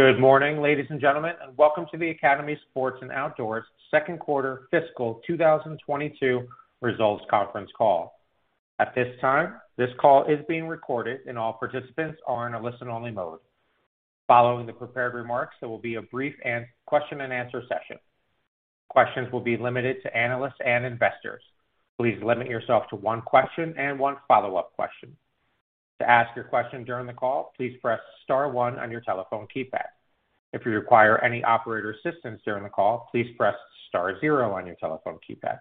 Good morning, ladies and gentlemen, and welcome to the Academy Sports + Outdoors second quarter fiscal 2022 results conference call. At this time, this call is being recorded, and all participants are in a listen-only mode. Following the prepared remarks, there will be a brief question-and-answer session. Questions will be limited to Analysts and Investors. Please limit yourself to one question and one follow-up question. To ask your question during the call, please press star one on your telephone keypad. If you require any Operator assistance during the call, please press star zero on your telephone keypad.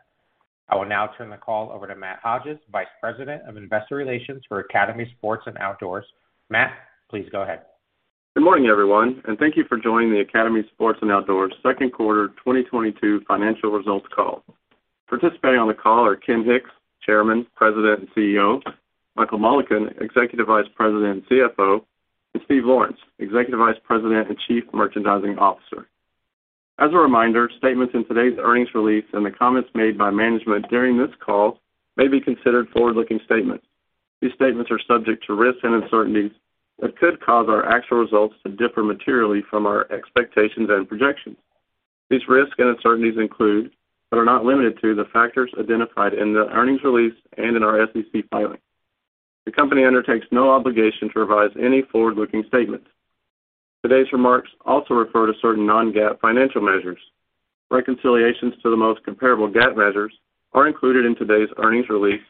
I will now turn the call over to Matt Hodges, Vice President of Investor Relations for Academy Sports + Outdoors. Matt, please go ahead. Good morning, everyone, and thank you for joining the Academy Sports + Outdoors second quarter 2022 financial results call. Participating on the call are Ken Hicks, Chairman, President, and CEO. Michael Mullican, Executive Vice President and CFO. And Steve Lawrence, Executive Vice President and Chief Merchandising Officer. As a reminder, statements in today's earnings release and the comments made by management during this call may be considered forward-looking statements. These statements are subject to risks and uncertainties that could cause our actual results to differ materially from our expectations and projections. These risks and uncertainties include, but are not limited to, the factors identified in the earnings release and in our SEC filing. The company undertakes no obligation to revise any forward-looking statements. Today's remarks also refer to certain Non-GAAP financial measures. Reconciliations to the most comparable GAAP measures are included in today's earnings release,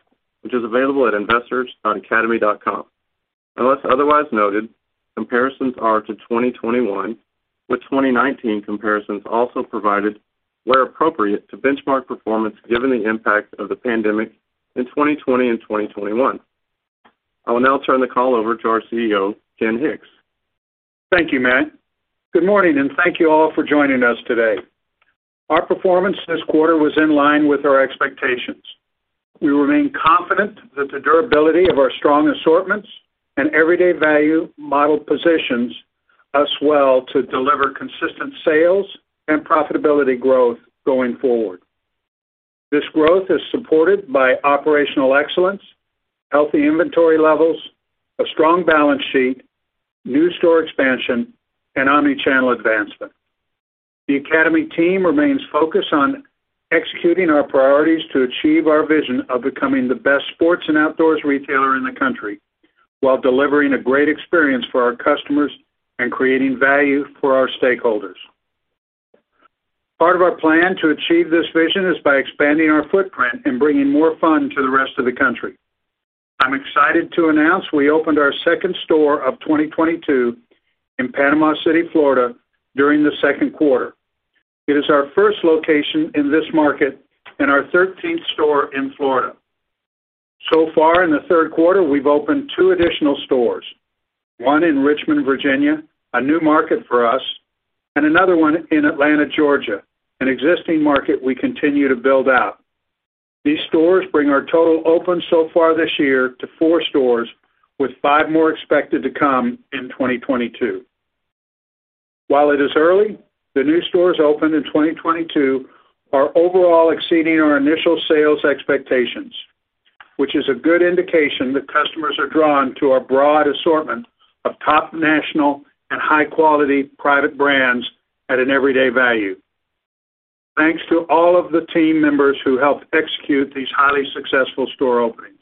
which is available at Investors.academy.com. Unless otherwise noted, comparisons are to 2021, with 2019 comparisons also provided where appropriate to benchmark performance given the impact of the pandemic in 2020 and 2021. I will now turn the call over to our CEO, Ken Hicks. tThank you, Matt. Good morning, and thank you all for joining us today. Our performance this quarter was in line with our expectations. We remain confident that the durability of our strong assortments and everyday value model positions us well to deliver consistent sales and profitability growth going forward. This growth is supported by operational excellence, healthy inventory levels, a strong balance sheet, new store expansion, and omni-channel advancement. The Academy team remains focused on executing our priorities to achieve our vision of becoming the best sports and outdoors retailer in the country while delivering a great experience for our customers and creating value for our stakeholders. Part of our plan to achieve this vision is by expanding our footprint and bringing more fun to the rest of the country. I'm excited to announce we opened our second store of 2022 in Panama City, Florida, during the second quarter. It is our first location in this market and our 13th store in Florida. So far in the third quarter, we've opened two additional stores, one in Richmond, Virginia, a new market for us, and another one in Atlanta, Georgia, an existing market we continue to build out. These stores bring our total opens so far this year to four stores, with five more expected to come in 2022. While it is early, the new stores opened in 2022 are overall exceeding our initial sales expectations, which is a good indication that customers are drawn to our broad assortment of top national and high-quality private brands at an everyday value. Thanks to all of the team members who helped execute these highly successful store openings.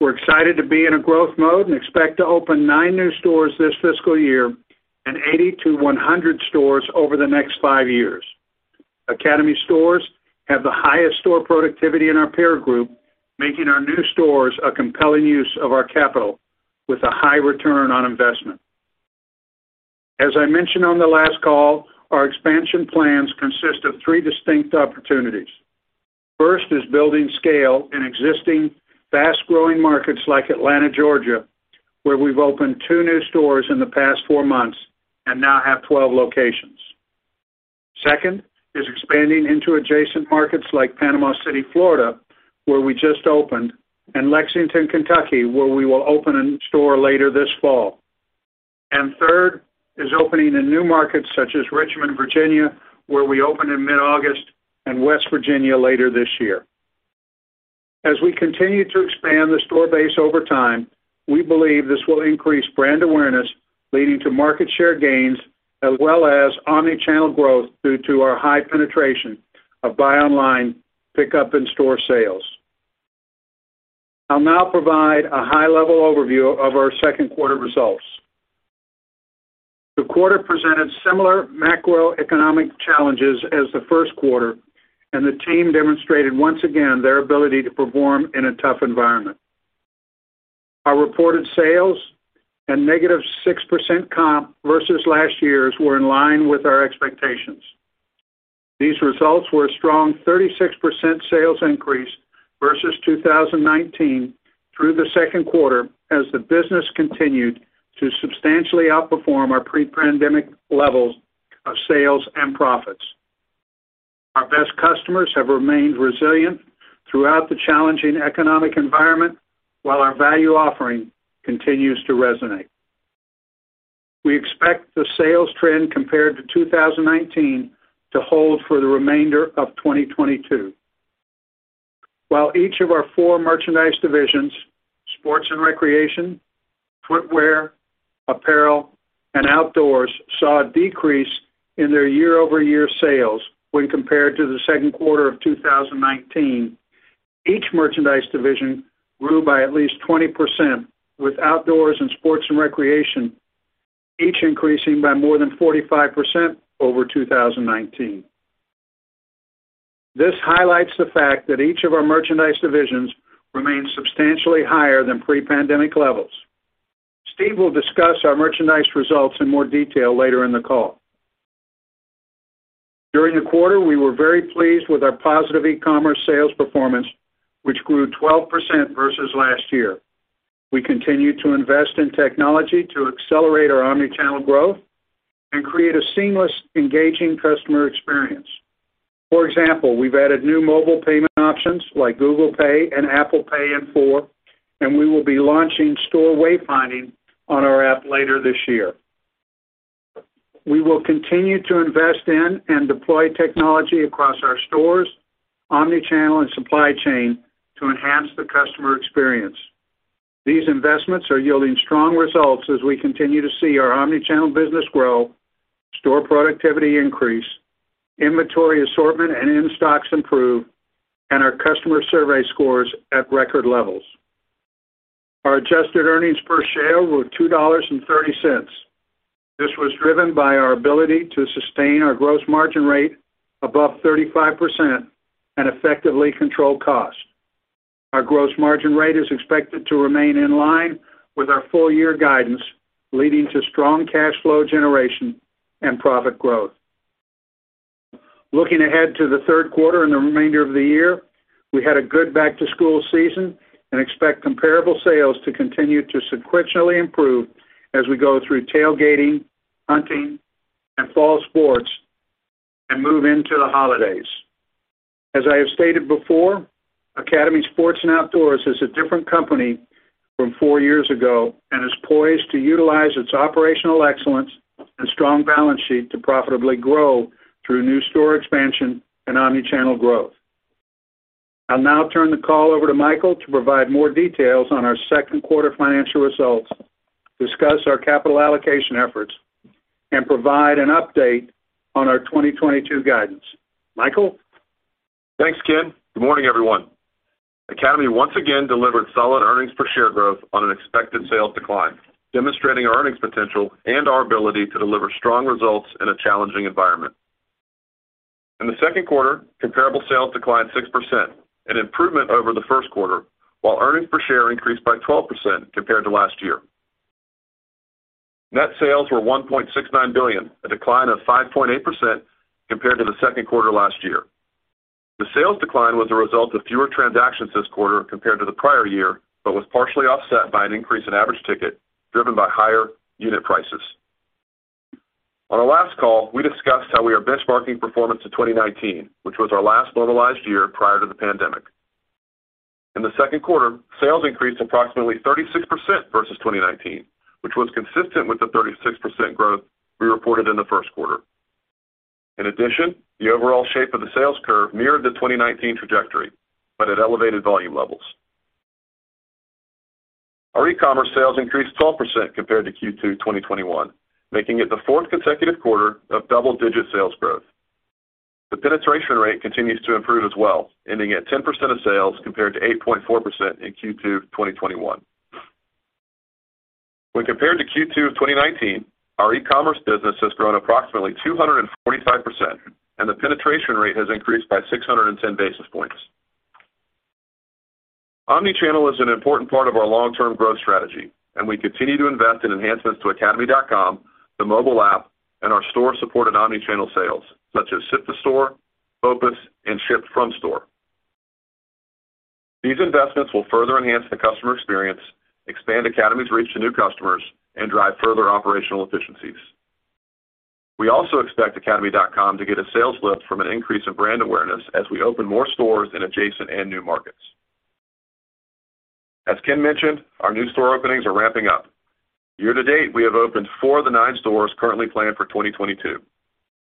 We're excited to be in a growth mode and expect to open nine new stores this fiscal year and 80-100 stores over the next 5 years. Academy stores have the highest store productivity in our peer group, making our new stores a compelling use of our capital with a high return on investment. As I mentioned on the last call, our expansion plans consist of three distinct opportunities. First is building scale in existing fast-growing markets like Atlanta, Georgia, where we've opened two new stores in the past 4 months and now have 12 locations. Second is expanding into adjacent markets like Panama City, Florida, where we just opened, and Lexington, Kentucky, where we will open a new store later this fall. Third is opening in new markets such as Richmond, Virginia, where we opened in mid-August, and West Virginia later this year. As we continue to expand the store base over time, we believe this will increase brand awareness, leading to market share gains as well as omni-channel growth due to our high penetration of buy online, pickup in store sales. I'll now provide a high-level overview of our second quarter results. The quarter presented similar macroeconomic challenges as the first quarter, and the team demonstrated once again their ability to perform in a tough environment. Our reported sales and -6% comp versus last year's were in line with our expectations. These results were a strong 36% sales increase versus 2019 through the second quarter as the business continued to substantially outperform our pre-pandemic levels of sales and profits. Our best customers have remained resilient throughout the challenging economic environment while our value offering continues to resonate. We expect the sales trend compared to 2019 to hold for the remainder of 2022. While each of our four merchandise divisions, sports and recreation, footwear, apparel, and outdoors, saw a decrease in their year-over-year sales when compared to the second quarter of 2019, each merchandise division grew by at least 20%, with outdoors and sports and recreation each increasing by more than 45% over 2019. This highlights the fact that each of our merchandise divisions remains substantially higher than pre-pandemic levels. Steve will discuss our merchandise results in more detail later in the call. During the quarter, we were very pleased with our positive e-commerce sales performance, which grew 12% versus last year. We continue to invest in technology to accelerate our omnichannel growth and create a seamless, engaging customer experience. For example, we've added new mobile payment options like Google Pay and Apple Pay and Afterpay, and we will be launching store wayfinding on our app later this year. We will continue to invest in and deploy technology across our stores, omnichannel, and supply chain to enhance the customer experience. These investments are yielding strong results as we continue to see our omnichannel business grow, store productivity increase, inventory assortment and in-stocks improve, and our customer survey scores at record levels. Our adjusted earnings per share were $2.30. This was driven by our ability to sustain our gross margin rate above 35% and effectively control cost. Our gross margin rate is expected to remain in line with our full year guidance, leading to strong cash flow generation and profit growth. Looking ahead to the third quarter and the remainder of the year, we had a good back-to-school season and expect comparable sales to continue to sequentially improve as we go through tailgating, hunting, and fall sports and move into the holidays. As I have stated before, Academy Sports + Outdoors is a different company from four years ago and is poised to utilize its operational excellence and strong balance sheet to profitably grow through new store expansion and omnichannel growth. I'll now turn the call over to Michael to provide more details on our second quarter financial results, discuss our capital allocation efforts, and provide an update on our 2022 guidance. Michael? Thanks, Ken. Good morning, everyone. Academy once again delivered solid earnings per share growth on an expected sales decline, demonstrating our earnings potential and our ability to deliver strong results in a challenging environment. In the second quarter, comparable sales declined 6%, an improvement over the first quarter, while earnings per share increased by 12% compared to last year. Net sales were $1.69 billion, a decline of 5.8% compared to the second quarter last year. The sales decline was a result of fewer transactions this quarter compared to the prior year, but was partially offset by an increase in average ticket driven by higher unit prices. On our last call, we discussed how we are benchmarking performance to 2019, which was our last normalized year prior to the pandemic. In the second quarter, sales increased approximately 36% versus 2019, which was consistent with the 36% growth we reported in the first quarter. In addition, the overall shape of the sales curve mirrored the 2019 trajectory, but at elevated volume levels. Our e-commerce sales increased 12% compared to Q2 2021, making it the fourth consecutive quarter of double-digit sales growth. The penetration rate continues to improve as well, ending at 10% of sales compared to 8.4% in Q2 2021. When compared to Q2 of 2019, our e-commerce business has grown approximately 245%, and the penetration rate has increased by 610 basis points. Omnichannel is an important part of our long-term growth strategy, and we continue to invest in enhancements to Academy.com, the mobile app, and our store-supported omnichannel sales, such as ship to store, BOPUS, and ship from store. These investments will further enhance the customer experience, expand Academy's reach to new customers, and drive further operational efficiencies. We also expect Academy.com to get a sales lift from an increase in brand awareness as we open more stores in adjacent and new markets. As Ken mentioned, our new store openings are ramping up. Year to date, we have opened four of the nine stores currently planned for 2022.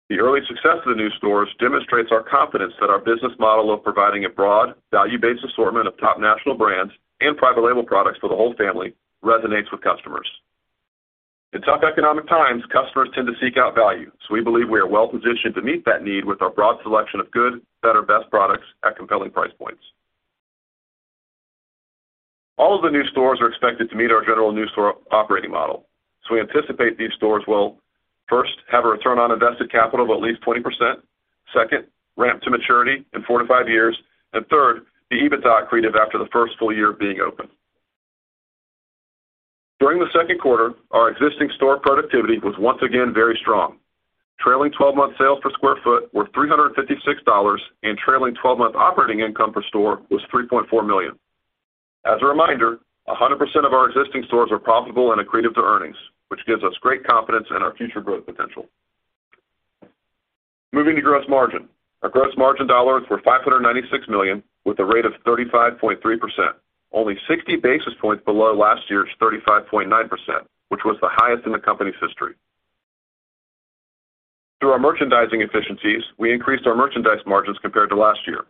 The early success of the new stores demonstrates our confidence that our business model of providing a broad, value-based assortment of top national brands and private label products for the whole family resonates with customers. In tough economic times, customers tend to seek out value, so we believe we are well-positioned to meet that need with our broad selection of good, better, best products at compelling price points. All of the new stores are expected to meet our general new store operating model. We anticipate these stores will, first, have a return on invested capital of at least 20%. Second, ramp to maturity in 4-5 years. Third, be EBITDA accretive after the first full year of being open. During the second quarter, our existing store productivity was once again very strong. Trailing twelve-month sales per sq ft were $356, and trailing twelve-month operating income per store was $3.4 million. As a reminder, 100% of our existing stores are profitable and accretive to earnings, which gives us great confidence in our future growth potential. Moving to gross margin. Our gross margin dollars were $596 million with a rate of 35.3%, only 60 basis points below last year's 35.9%, which was the highest in the company's history. Through our merchandising efficiencies, we increased our merchandise margins compared to last year.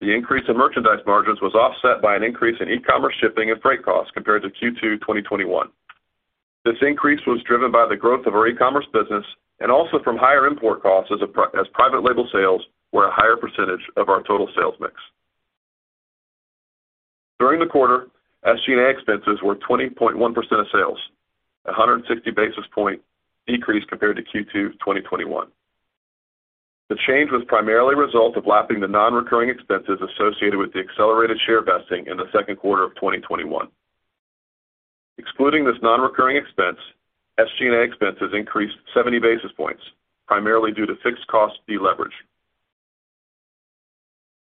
The increase in merchandise margins was offset by an increase in e-commerce shipping and freight costs compared to Q2 2021. This increase was driven by the growth of our e-commerce business and also from higher import costs as private label sales were a higher percentage of our total sales mix. During the quarter, SG&A expenses were 20.1% of sales, 160 basis point decrease compared to Q2 2021. The change was primarily a result of lapping the non-recurring expenses associated with the accelerated share vesting in the second quarter of 2021. Excluding this non-recurring expense, SG&A expenses increased 70 basis points, primarily due to fixed cost deleverage.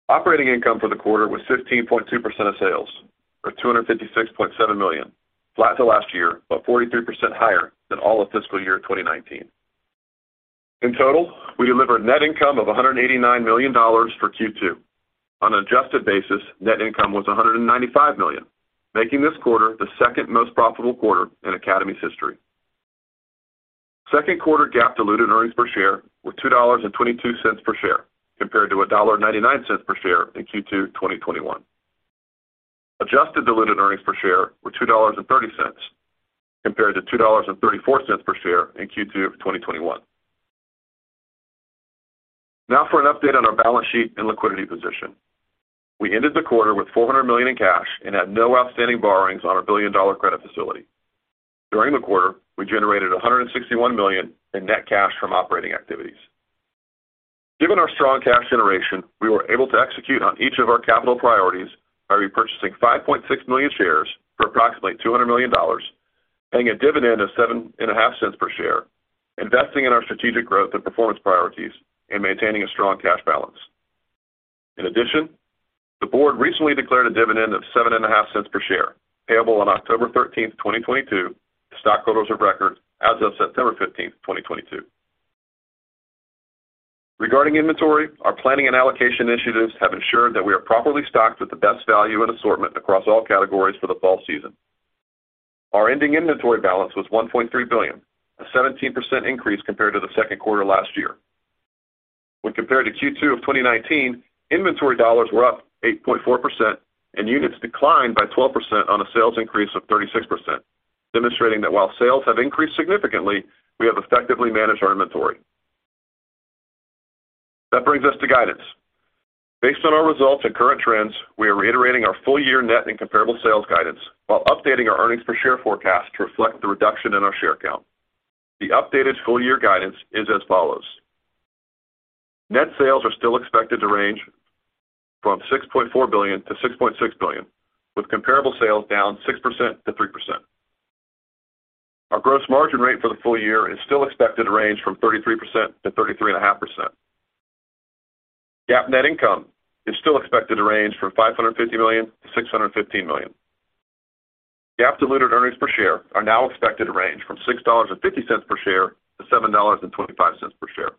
Operating income for the quarter was 15.2% of sales, or $256.7 million, flat to last year but 43% higher than all of fiscal year 2019. In total, we delivered net income of $189 million for Q2. On an adjusted basis, net income was $195 million, making this quarter the second most profitable quarter in Academy's history. Second quarter GAAP diluted earnings per share were $2.22 per share, compared to $1.99 per share in Q2 2021. Adjusted diluted earnings per share were $2.30 compared to $2.34 per share in Q2 of 2021. Now for an update on our balance sheet and liquidity position. We ended the quarter with $400 million in cash and had no outstanding borrowings on our billion-dollar credit facility. During the quarter, we generated $161 million in net cash from operating activities. Given our strong cash generation, we were able to execute on each of our capital priorities by repurchasing 5.6 million shares for approximately $200 million, paying a dividend of $0.075 per share, investing in our strategic growth and performance priorities, and maintaining a strong cash balance. In addition, the board recently declared a dividend of $0.075 per share, payable on October 13, 2022 to stockholders of record as of September 15, 2022. Regarding inventory, our planning and allocation initiatives have ensured that we are properly stocked with the best value and assortment across all categories for the fall season. Our ending inventory balance was $1.3 billion, a 17% increase compared to the second quarter last year. When compared to Q2 of 2019, inventory dollars were up 8.4% and units declined by 12% on a sales increase of 36%, demonstrating that while sales have increased significantly, we have effectively managed our inventory. That brings us to guidance. Based on our results and current trends, we are reiterating our full year net and comparable sales guidance while updating our earnings per share forecast to reflect the reduction in our share count. The updated full year guidance is as follows. Net sales are still expected to range from $6.4 billion-$6.6 billion, with comparable sales down 6%-3%. Our gross margin rate for the full year is still expected to range from 33%-33.5%. GAAP net income is still expected to range from $550 million-$615 million. GAAP diluted earnings per share are now expected to range from $6.50 per share-$7.25 per share.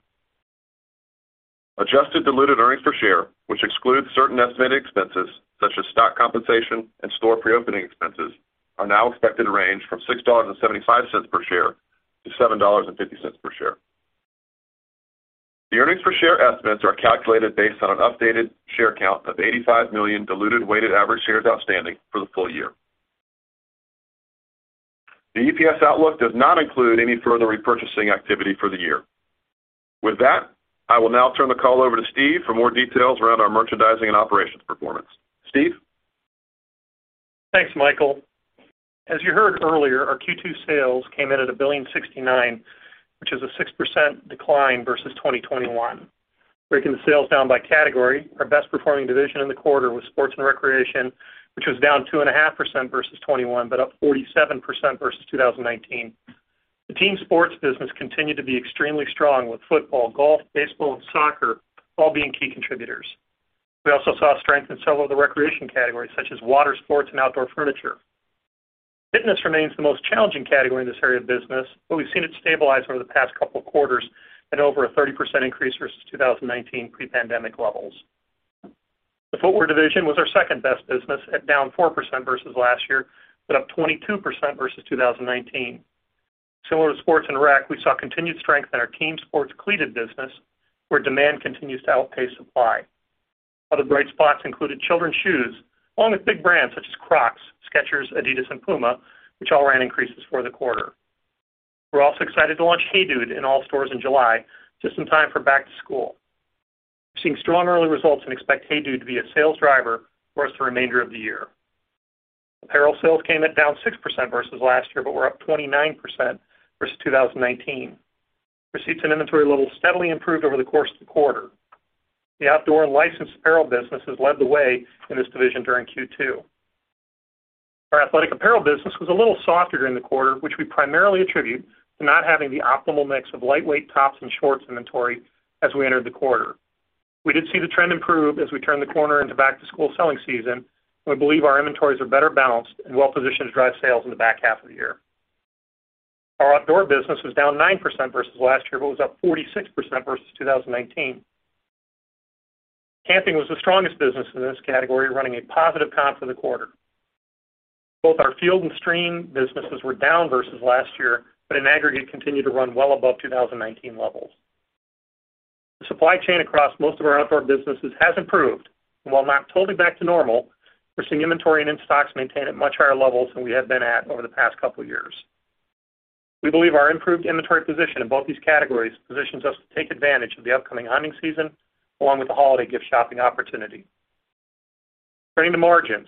Adjusted diluted earnings per share, which excludes certain estimated expenses such as stock compensation and store pre-opening expenses, are now expected to range from $6.75 per share-$7.50 per share. The earnings per share estimates are calculated based on an updated share count of 85 million diluted weighted average shares outstanding for the full year. The EPS outlook does not include any further repurchasing activity for the year. With that, I will now turn the call over to Steve for more details around our merchandising and operations performance. Steve? Thanks, Michael. As you heard earlier, our Q2 sales came in at $1.69 billion, which is a 6% decline versus 2021. Breaking sales down by category, our best performing division in the quarter was sports and recreation, which was down 2.5% versus 2021, but up 47% versus 2019. The team sports business continued to be extremely strong with football, golf, baseball, and soccer all being key contributors. We also saw strength in several of the recreation categories such as water sports and outdoor furniture. Fitness remains the most challenging category in this area of the business, but we've seen it stabilize over the past couple of quarters at over a 30% increase versus 2019 pre-pandemic levels. The footwear division was our second-best business at down 4% versus last year, but up 22% versus 2019. Similar to sports and rec, we saw continued strength in our team sports cleated business, where demand continues to outpace supply. Other bright spots included children's shoes, along with big brands such as Crocs, Skechers, adidas, and PUMA, which all ran increases for the quarter. We're also excited to launch HEYDUDE in all stores in July, just in time for back to school. We're seeing strong early results and expect HEYDUDE to be a sales driver for us the remainder of the year. Apparel sales came at down 6% versus last year, but were up 29% versus 2019. Receipts and inventory levels steadily improved over the course of the quarter. The outdoor and licensed apparel business has led the way in this division during Q2. Our athletic apparel business was a little softer during the quarter, which we primarily attribute to not having the optimal mix of lightweight tops and shorts inventory as we entered the quarter. We did see the trend improve as we turned the corner into back-to-school selling season. We believe our inventories are better balanced and well-positioned to drive sales in the back half of the year. Our outdoor business was down 9% versus last year, but was up 46% versus 2019. Camping was the strongest business in this category, running a positive comp for the quarter. Both our field and stream businesses were down versus last year, but in aggregate continued to run well above 2019 levels. Supply chain across most of our outdoor businesses has improved, and while not totally back to normal, we're seeing inventory and in-stocks maintain at much higher levels than we have been at over the past couple years. We believe our improved inventory position in both these categories positions us to take advantage of the upcoming hunting season, along with the holiday gift shopping opportunity. Turning to margins.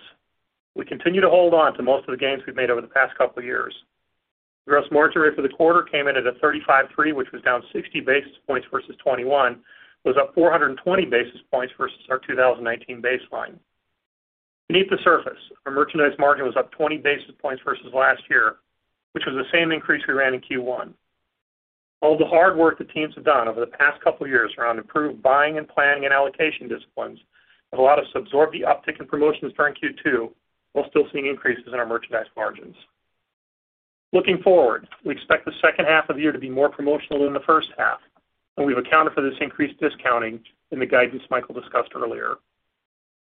We continue to hold on to most of the gains we've made over the past couple years. Gross margin rate for the quarter came in at 35.3%, which was down 60 basis points versus 2021. It was up 420 basis points versus our 2019 baseline. Beneath the surface, our merchandise margin was up 20 basis points versus last year, which was the same increase we ran in Q1. All the hard work the teams have done over the past couple of years around improved buying and planning and allocation disciplines have allowed us to absorb the uptick in promotions during Q2 while still seeing increases in our merchandise margins. Looking forward, we expect the second half of the year to be more promotional than the first half, and we've accounted for this increased discounting in the guidance Michael discussed earlier.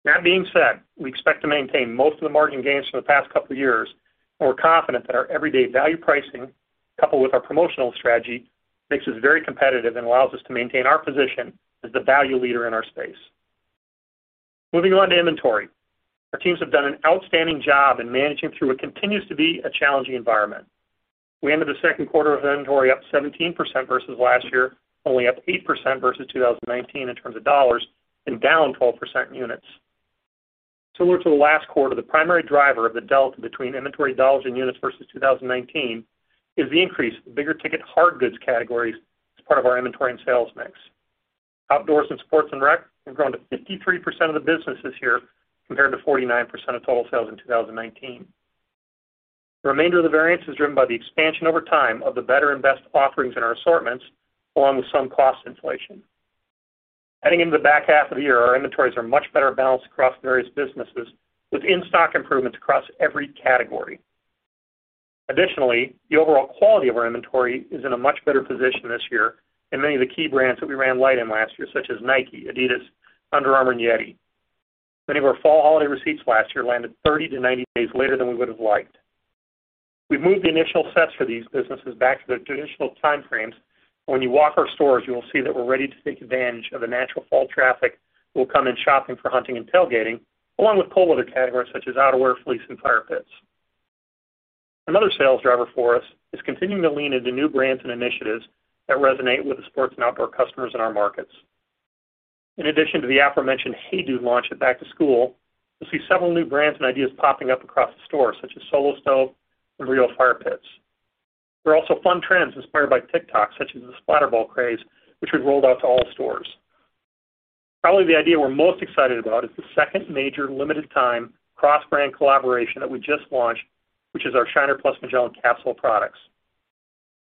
That being said, we expect to maintain most of the margin gains for the past couple of years, and we're confident that our everyday value pricing, coupled with our promotional strategy, makes us very competitive and allows us to maintain our position as the value leader in our space. Moving on to inventory. Our teams have done an outstanding job in managing through what continues to be a challenging environment. We ended the second quarter with inventory up 17% versus last year, only up 8% versus 2019 in terms of dollars and down 12% in units. Similar to the last quarter, the primary driver of the delta between inventory dollars and units versus 2019 is the increase of bigger ticket hard goods categories as part of our inventory and sales mix. Outdoors and sports and rec have grown to 53% of the business this year compared to 49% of total sales in 2019. The remainder of the variance is driven by the expansion over time of the better and best offerings in our assortments, along with some cost inflation. Heading into the back half of the year, our inventories are much better balanced across various businesses with in-stock improvements across every category. Additionally, the overall quality of our inventory is in a much better position this year in many of the key brands that we ran light in last year, such as Nike, adidas, Under Armour, and YETI. Many of our fall holiday receipts last year landed 30-90 days later than we would have liked. We've moved the initial sets for these businesses back to their traditional time frames. When you walk our stores, you will see that we're ready to take advantage of the natural fall traffic that will come in shopping for hunting and tailgating, along with cold weather categories such as outerwear, fleece, and fire pits. Another sales driver for us is continuing to lean into new brands and initiatives that resonate with the sports and outdoor customers in our markets. In addition to the aforementioned HEYDUDE launch at back to school, you'll see several new brands and ideas popping up across the store, such as Solo Stove and RIO Fire Pits. There are also fun trends inspired by TikTok, such as the SplatRBall craze, which we've rolled out to all stores. Probably the idea we're most excited about is the second major limited time cross-brand collaboration that we just launched, which is our Shiner + Magellan Outdoors capsule products.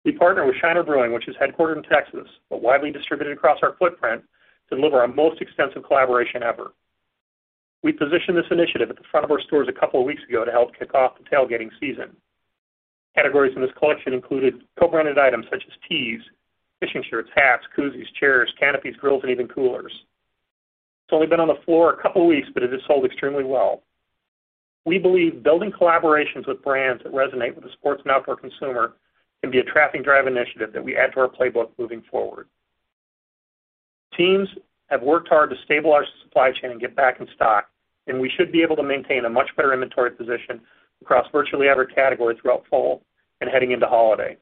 We partnered with Shiner Brewing, which is headquartered in Texas, but widely distributed across our footprint to deliver our most extensive collaboration ever. We positioned this initiative at the front of our stores a couple of weeks ago to help kick off the tailgating season. Categories in this collection included co-branded items such as tees, fishing shirts, hats, koozies, chairs, canopies, grills, and even coolers. It's only been on the floor a couple weeks, but it has sold extremely well. We believe building collaborations with brands that resonate with the sports and outdoor consumer can be a traffic drive initiative that we add to our playbook moving forward. Teams have worked hard to stabilize the supply chain and get back in stock, and we should be able to maintain a much better inventory position across virtually every category throughout fall and heading into holiday.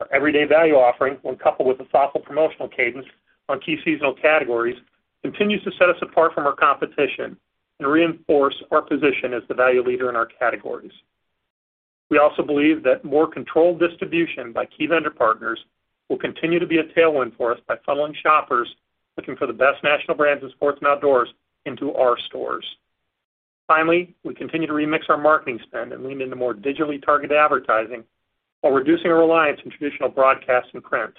Our everyday value offering, when coupled with a thoughtful promotional cadence on key seasonal categories, continues to set us apart from our competition and reinforce our position as the value leader in our categories. We also believe that more controlled distribution by key vendor partners will continue to be a tailwind for us by funneling shoppers looking for the best national brands in sports and outdoors into our stores. Finally, we continue to remix our marketing spend and lean into more digitally targeted advertising while reducing our reliance on traditional broadcast and print.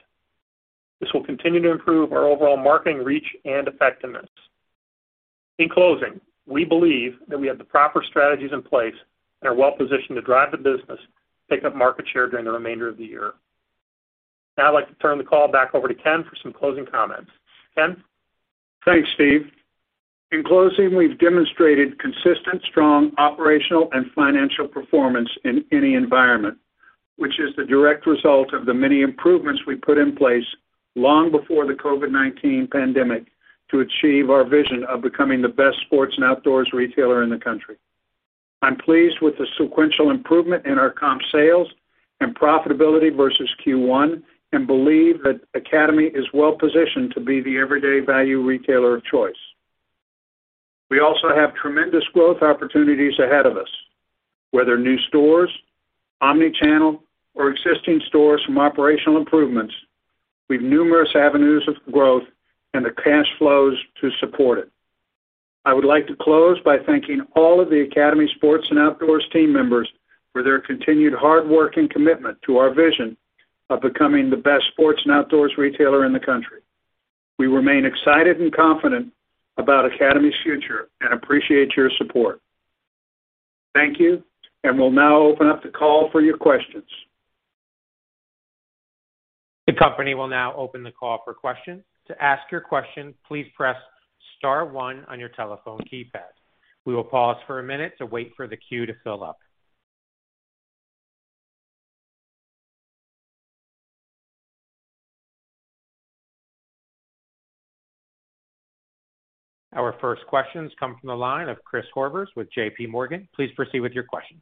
This will continue to improve our overall marketing reach and effectiveness. In closing, we believe that we have the proper strategies in place and are well-positioned to drive the business to pick up market share during the remainder of the year. Now I'd like to turn the call back over to Ken for some closing comments. Ken? Thanks, Steve. In closing, we've demonstrated consistent, strong operational and financial performance in any environment, which is the direct result of the many improvements we put in place long before the COVID-19 pandemic to achieve our vision of becoming the best sports and outdoors retailer in the country. I'm pleased with the sequential improvement in our comp sales and profitability versus Q1 and believe that Academy is well-positioned to be the everyday value retailer of choice. We also have tremendous growth opportunities ahead of us, whether new stores, omnichannel or existing stores from operational improvements. We have numerous avenues of growth and the cash flows to support it. I would like to close by thanking all of the Academy Sports + Outdoors team members for their continued hard work and commitment to our vision of becoming the best sports and outdoors retailer in the country. We remain excited and confident about Academy's future and appreciate your support. Thank you, and we'll now open up the call for your questions. The company will now open the call for questions. To ask your question, please press star one on your telephone keypad. We will pause for a minute to wait for the queue to fill up. Our first questions come from the line of Chris Horvers with JPMorgan. Please proceed with your questions.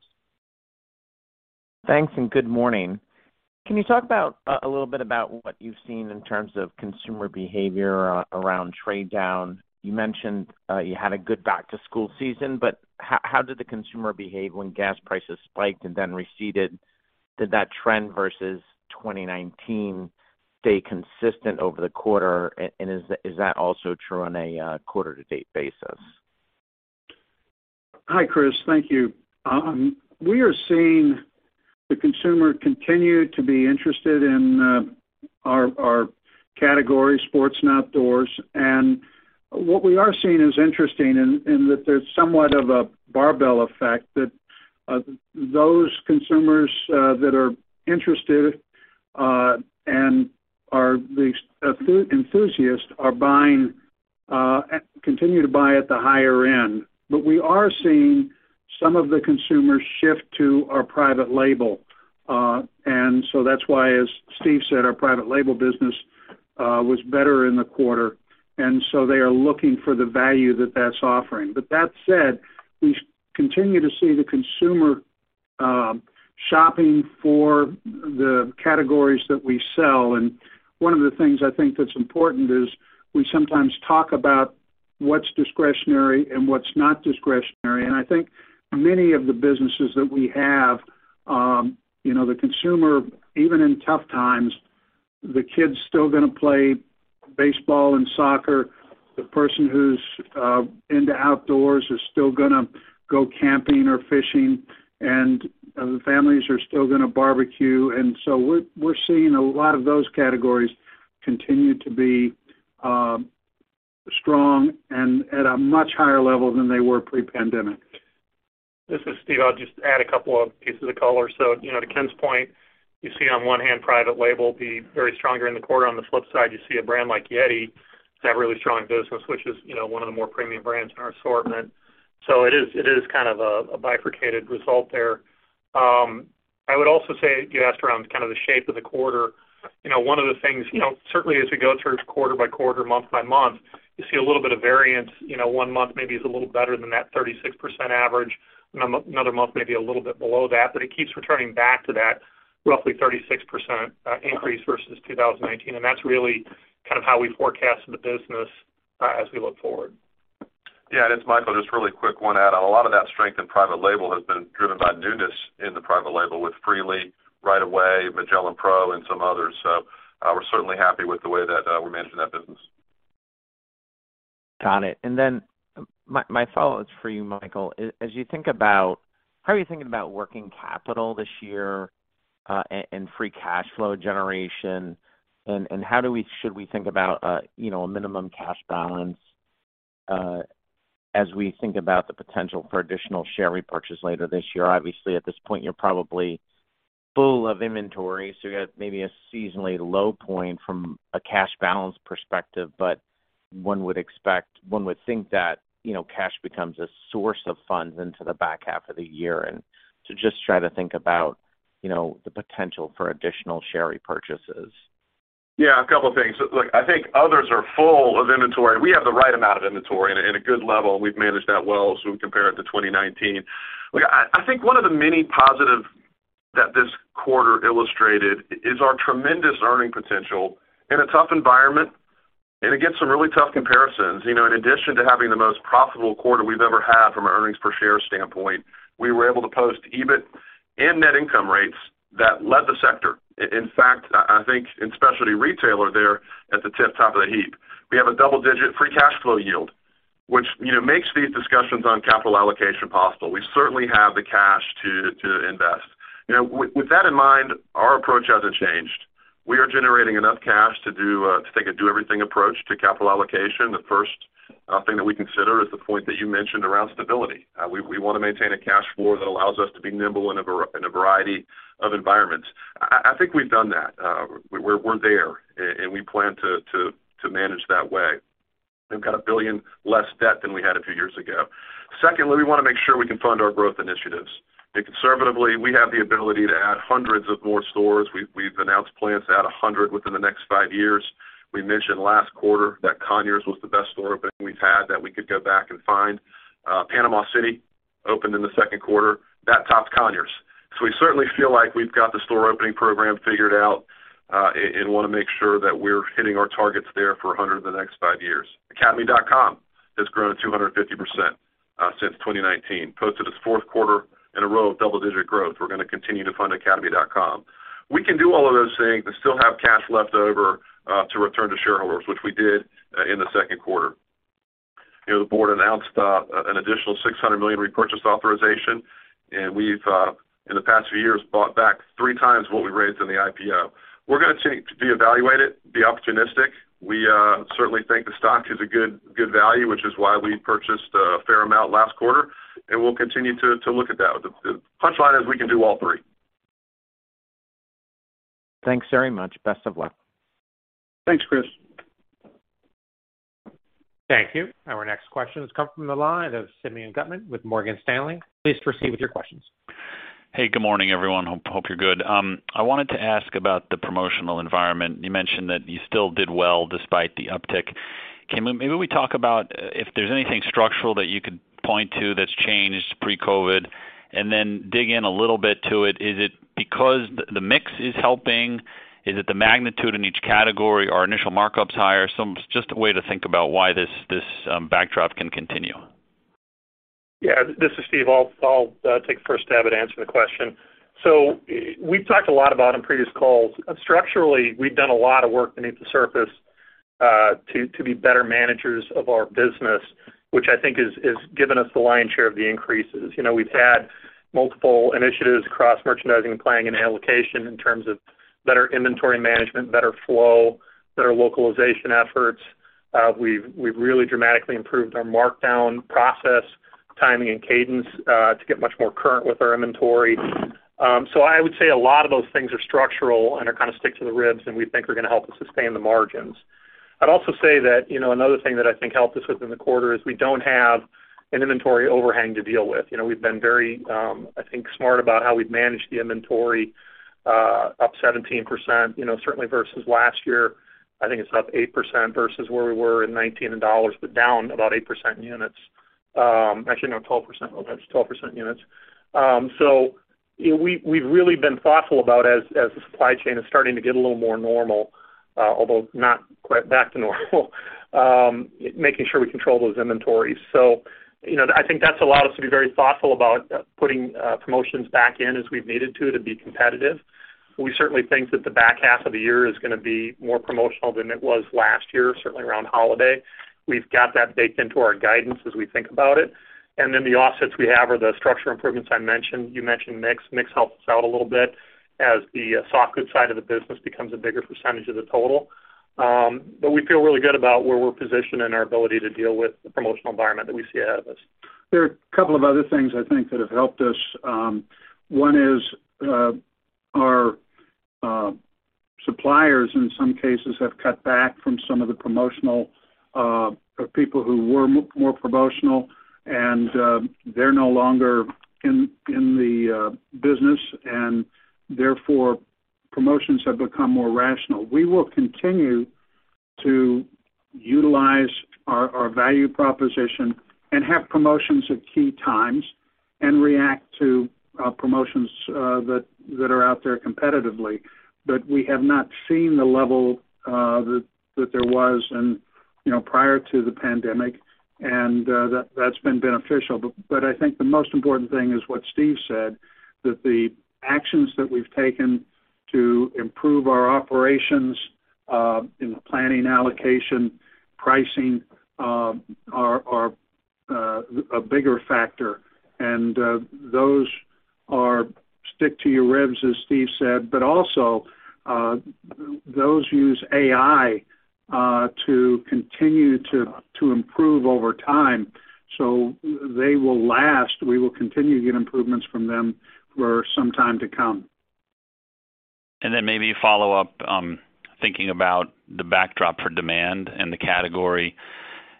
Thanks, good morning. Can you talk about a little bit about what you've seen in terms of consumer behavior around trade down? You mentioned you had a good back-to-school season, but how did the consumer behave when gas prices spiked and then receded? Did that trend versus 2019 stay consistent over the quarter? And is that also true on a quarter-to-date basis? Hi, Chris. Thank you. We are seeing the consumer continue to be interested in our category sports and outdoors. What we are seeing is interesting in that there's somewhat of a barbell effect that those consumers that are interested and are enthusiasts continue to buy at the higher end. We are seeing some of the consumers shift to our private label. That's why, as Steve said, our private label business was better in the quarter, and so they are looking for the value that that's offering. That said, we continue to see the consumer shopping for the categories that we sell. One of the things I think that's important is we sometimes talk about what's discretionary and what's not discretionary. I think many of the businesses that we have, you know, the consumer, even in tough times, the kids still gonna play baseball and soccer, the person who's into outdoors is still gonna go camping or fishing, and the families are still gonna barbecue. We're seeing a lot of those categories continue to be strong and at a much higher level than they were pre-pandemic. This is Steve. I'll just add a couple of pieces of color. To Ken's point, you see on one hand private label being very strong in the quarter. On the flip side, you see a brand like YETI. It's that really strong business, which is, you know, one of the more premium brands in our assortment. It is kind of a bifurcated result there. I would also say you asked about kind of the shape of the quarter. You know, one of the things, you know, certainly as we go through quarter by quarter, month by month, you see a little bit of variance. You know, one month maybe is a little better than that 36% average, another month maybe a little bit below that. It keeps returning back to that roughly 36% increase versus 2019. That's really kind of how we forecast the business as we look forward. Yeah, it's Michael, just really quick one to add. A lot of that strength in private label has been driven by newness in the private label with Freely, R.O.W., Magellan Outdoors Pro and some others. We're certainly happy with the way that we're managing that business. Got it. My follow-up is for you, Michael. How are you thinking about working capital this year, and free cash flow generation? Should we think about, you know, a minimum cash balance, as we think about the potential for additional share repurchases later this year? Obviously, at this point, you are probably full of inventory, so you got maybe a seasonally low point from a cash balance perspective, but one would think that, you know, cash becomes a source of funds into the back half of the year. To just try to think about, you know, the potential for additional share repurchases. Yeah, a couple of things. Look, I think others are full of inventory. We have the right amount of inventory and in a good level. We've managed that well as we compare it to 2019. Look, I think one of the many positive that this quarter illustrated is our tremendous earning potential in a tough environment and against some really tough comparisons. You know, in addition to having the most profitable quarter we've ever had from an earnings per share standpoint, we were able to post EBIT and net income rates that led the sector. In fact, I think in specialty retailer there at the tip top of the heap. We have a double-digit free cash flow yield, which, you know, makes these discussions on capital allocation possible. We certainly have the cash to invest. You know, with that in mind, our approach hasn't changed. We are generating enough cash to take a do-everything approach to capital allocation. The first thing that we consider is the point that you mentioned around stability. We wanna maintain a cash flow that allows us to be nimble in a variety of environments. I think we've done that. We're there and we plan to manage that way. We've got $1 billion less debt than we had a few years ago. Secondly, we wanna make sure we can fund our growth initiatives. Conservatively, we have the ability to add hundreds more stores. We've announced plans to add 100 within the next five years. We mentioned last quarter that Conyers was the best store opening we've had that we could go back and find. Panama City opened in the second quarter. That tops Conyers. We certainly feel like we've got the store opening program figured out, and wanna make sure that we're hitting our targets there for 100 in the next five years. academy.com has grown 250% since 2019. Posted its fourth quarter in a row of double-digit growth. We're gonna continue to fund academy.com. We can do all of those things and still have cash left over to return to shareholders, which we did in the second quarter. You know, the board announced an additional $600 million repurchase authorization, and we've, in the past few years, bought back three times what we raised in the IPO. We're gonna be opportunistic. We certainly think the stock is a good value, which is why we purchased a fair amount last quarter, and we'll continue to look at that with the board. Punchline is we can do all three. Thanks very much. Best of luck. Thanks, Chris. Thank you. Our next question has come from the line of Simeon Gutman with Morgan Stanley. Please proceed with your questions. Hey, good morning, everyone. Hope you're good. I wanted to ask about the promotional environment. You mentioned that you still did well despite the uptick. Can we talk about if there's anything structural that you could point to that's changed pre-COVID, and then dig in a little bit to it. Is it because the mix is helping? Is it the magnitude in each category or initial markups higher? Just a way to think about why this backdrop can continue. Yeah. This is Steve. I'll take the first stab at answering the question. We've talked a lot about on previous calls. Structurally, we've done a lot of work beneath the surface to be better managers of our business, which I think has given us the lion's share of the increases. You know, we've had multiple initiatives across merchandising and planning and allocation in terms of better inventory management, better flow, better localization efforts. We've really dramatically improved our markdown process, timing and cadence to get much more current with our inventory. I would say a lot of those things are structural and are kinda stick to the ribs, and we think are gonna help us sustain the margins. I'd also say that, you know, another thing that I think helped us within the quarter is we don't have an inventory overhang to deal with. You know, we've been very, I think, smart about how we've managed the inventory, up 17%, you know, certainly versus last year, I think it's up 8% versus where we were in 2019 in dollars, but down about 8% in units. Actually, no, 12%. My bad. It's 12% units. We've really been thoughtful about as the supply chain is starting to get a little more normal, although not quite back to normal, making sure we control those inventories. You know, I think that's allowed us to be very thoughtful about putting promotions back in as we've needed to be competitive. We certainly think that the back half of the year is gonna be more promotional than it was last year, certainly around holiday. We've got that baked into our guidance as we think about it. The offsets we have are the structural improvements I mentioned. You mentioned mix. Mix helps us out a little bit as the soft goods side of the business becomes a bigger percentage of the total. We feel really good about where we're positioned and our ability to deal with the promotional environment that we see ahead of us. There are a couple of other things I think that have helped us. One is, our suppliers, in some cases, have cut back from some of the promotional or people who were more promotional, and they're no longer in the business, and therefore, promotions have become more rational. We will continue to utilize our value proposition and have promotions at key times and react to promotions that are out there competitively. We have not seen the level that there was and, you know, prior to the pandemic, and that's been beneficial. I think the most important thing is what Steve said, that the actions that we've taken to improve our operations in the planning, allocation, pricing are a bigger factor. Those are stick to your ribs, as Steve said, but also, those use AI to continue to improve over time. They will last. We will continue to get improvements from them for some time to come. Maybe follow up, thinking about the backdrop for demand and the category,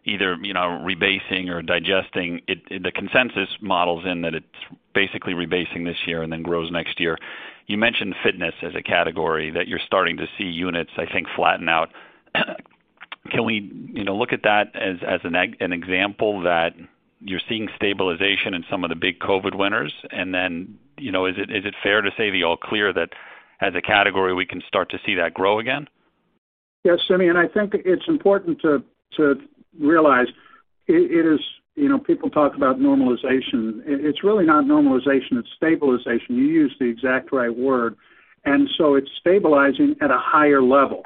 either, you know, rebasing or digesting it. The consensus model is that it's basically rebasing this year and then grows next year. You mentioned fitness as a category that you're starting to see units, I think, flatten out. Can we, you know, look at that as an example that you're seeing stabilization in some of the big COVID winners? And then, you know, is it fair to say the all clear that as a category, we can start to see that grow again? Yes, Simeon, I think it's important to realize it is, you know, people talk about normalization. It's really not normalization, it's stabilization. You used the exact right word, and so it's stabilizing at a higher level.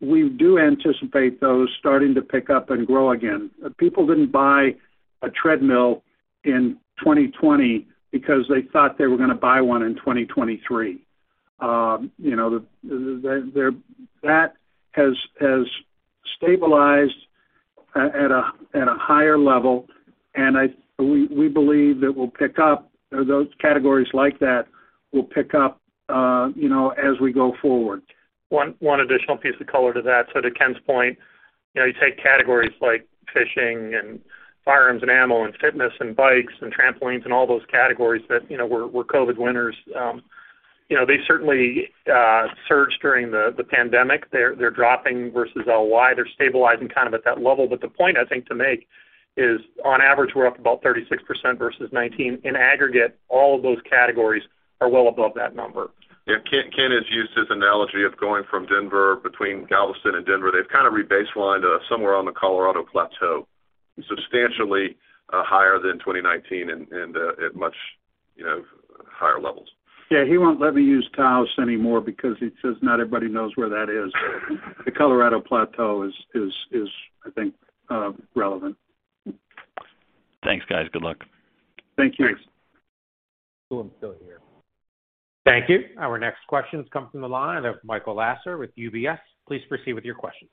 We do anticipate those starting to pick up and grow again. People didn't buy a treadmill in 2020 because they thought they were gonna buy one in 2023. You know, that has stabilized at a higher level, and we believe that we'll pick up, or those categories like that will pick up, you know, as we go forward. One additional piece of color to that. To Ken's point, you know, you take categories like fishing and firearms and ammo and fitness and bikes and trampolines and all those categories that, you know, were COVID winners. You know, they certainly surged during the pandemic. They're dropping versus LY. They're stabilizing kind of at that level. The point I think to make is, on average, we're up about 36% versus 2019. In aggregate, all of those categories are well above that number. Ken has used this analogy of going from Galveston to Denver. They've kinda rebaselined somewhere on the Colorado Plateau, substantially higher than 2019 and at much, you know, higher levels. Yeah, he won't let me use Taos anymore because he says not everybody knows where that is. The Colorado Plateau is, I think, relevant. Thanks, guys. Good luck. Thank you. Thanks. Thank you. Our next question comes from the line of Michael Lasser with UBS. Please proceed with your questions.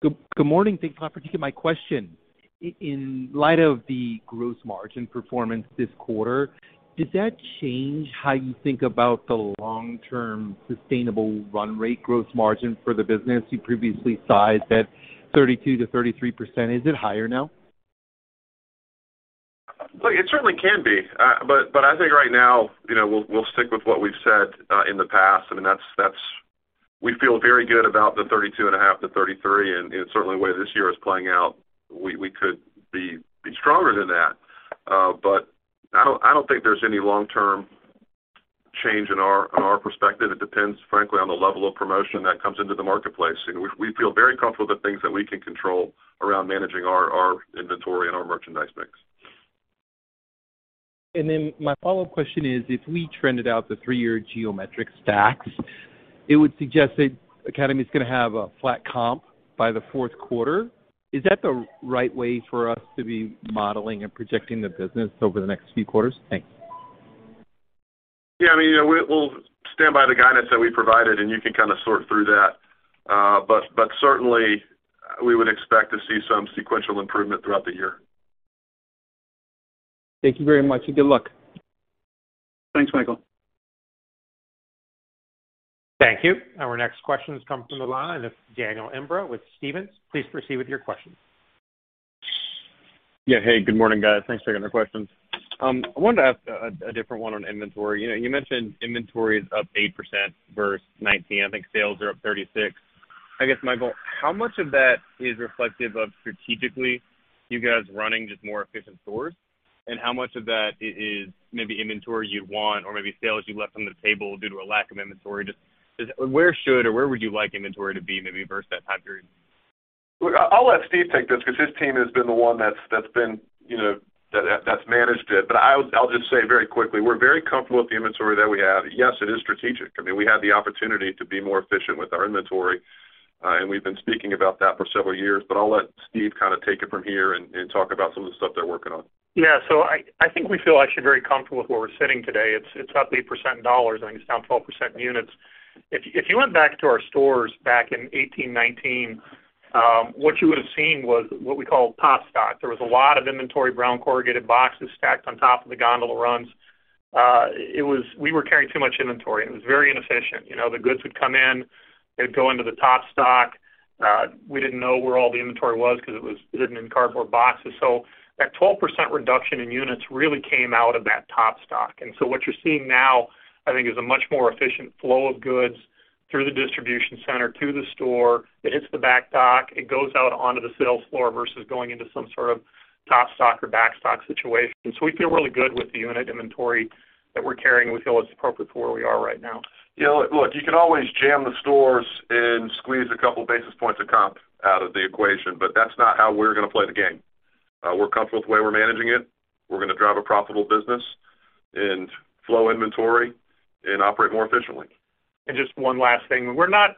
Good morning. Thanks for taking my question. In light of the gross margin performance this quarter, does that change how you think about the long-term sustainable run rate gross margin for the business you previously sized at 32%-33%? Is it higher now? Well, it certainly can be. I think right now, you know, we'll stick with what we've said in the past. I mean, that's, we feel very good about the 32.5%-33%, and certainly the way this year is playing out, we could be stronger than that. I don't think there's any long-term change in our perspective. It depends, frankly, on the level of promotion that comes into the marketplace. You know, we feel very comfortable with the things that we can control around managing our inventory and our merchandise mix. My follow-up question is, if we trended out the three-year geometric stacks, it would suggest that Academy is gonna have a flat comp by the fourth quarter. Is that the right way for us to be modeling and projecting the business over the next few quarters? Thanks. Yeah, I mean, you know, we'll stand by the guidance that we provided, and you can kinda sort through that. Certainly, we would expect to see some sequential improvement throughout the year. Thank you very much, and good luck. Thanks, Michael. Thank you. Our next question comes from the line of Daniel Imbro with Stephens. Please proceed with your question. Yeah. Hey, good morning, guys. Thanks for taking the questions. I wanted to ask a different one on inventory. You know, you mentioned inventory is up 8% versus 2019. I think sales are up 36%. I guess, Michael, how much of that is reflective of strategically you guys running just more efficient stores? And how much of that is maybe inventory you want or maybe sales you left on the table due to a lack of inventory? Just where should or where would you like inventory to be maybe versus that time period? Look, I'll let Steve take this because his team has been the one that's been, you know, that's managed it. I'll just say very quickly, we're very comfortable with the inventory that we have. Yes, it is strategic. I mean, we have the opportunity to be more efficient with our inventory, and we've been speaking about that for several years. I'll let Steve kinda take it from here and talk about some of the stuff they're working on. Yeah. I think we feel actually very comfortable with where we're sitting today. It's up 8% in dollars, and it's down 12% in units. If you went back to our stores back in 2018, 2019, what you would have seen was what we call top stock. There was a lot of inventory, brown corrugated boxes stacked on top of the gondola runs. We were carrying too much inventory, and it was very inefficient. You know, the goods would come in, they'd go into the top stock. We didn't know where all the inventory was because it was hidden in cardboard boxes. That 12% reduction in units really came out of that top stock. What you're seeing now, I think, is a much more efficient flow of goods through the distribution center to the store. It hits the back stock, it goes out onto the sales floor versus going into some sort of top stock or backstock situation. We feel really good with the unit inventory that we're carrying. We feel it's appropriate for where we are right now. Yeah. Look, you can always jam the stores and squeeze a couple basis points of comp out of the equation, but that's not how we're gonna play the game. We're comfortable the way we're managing it. We're gonna drive a profitable business and flow inventory and operate more efficiently. Just one last thing. We're not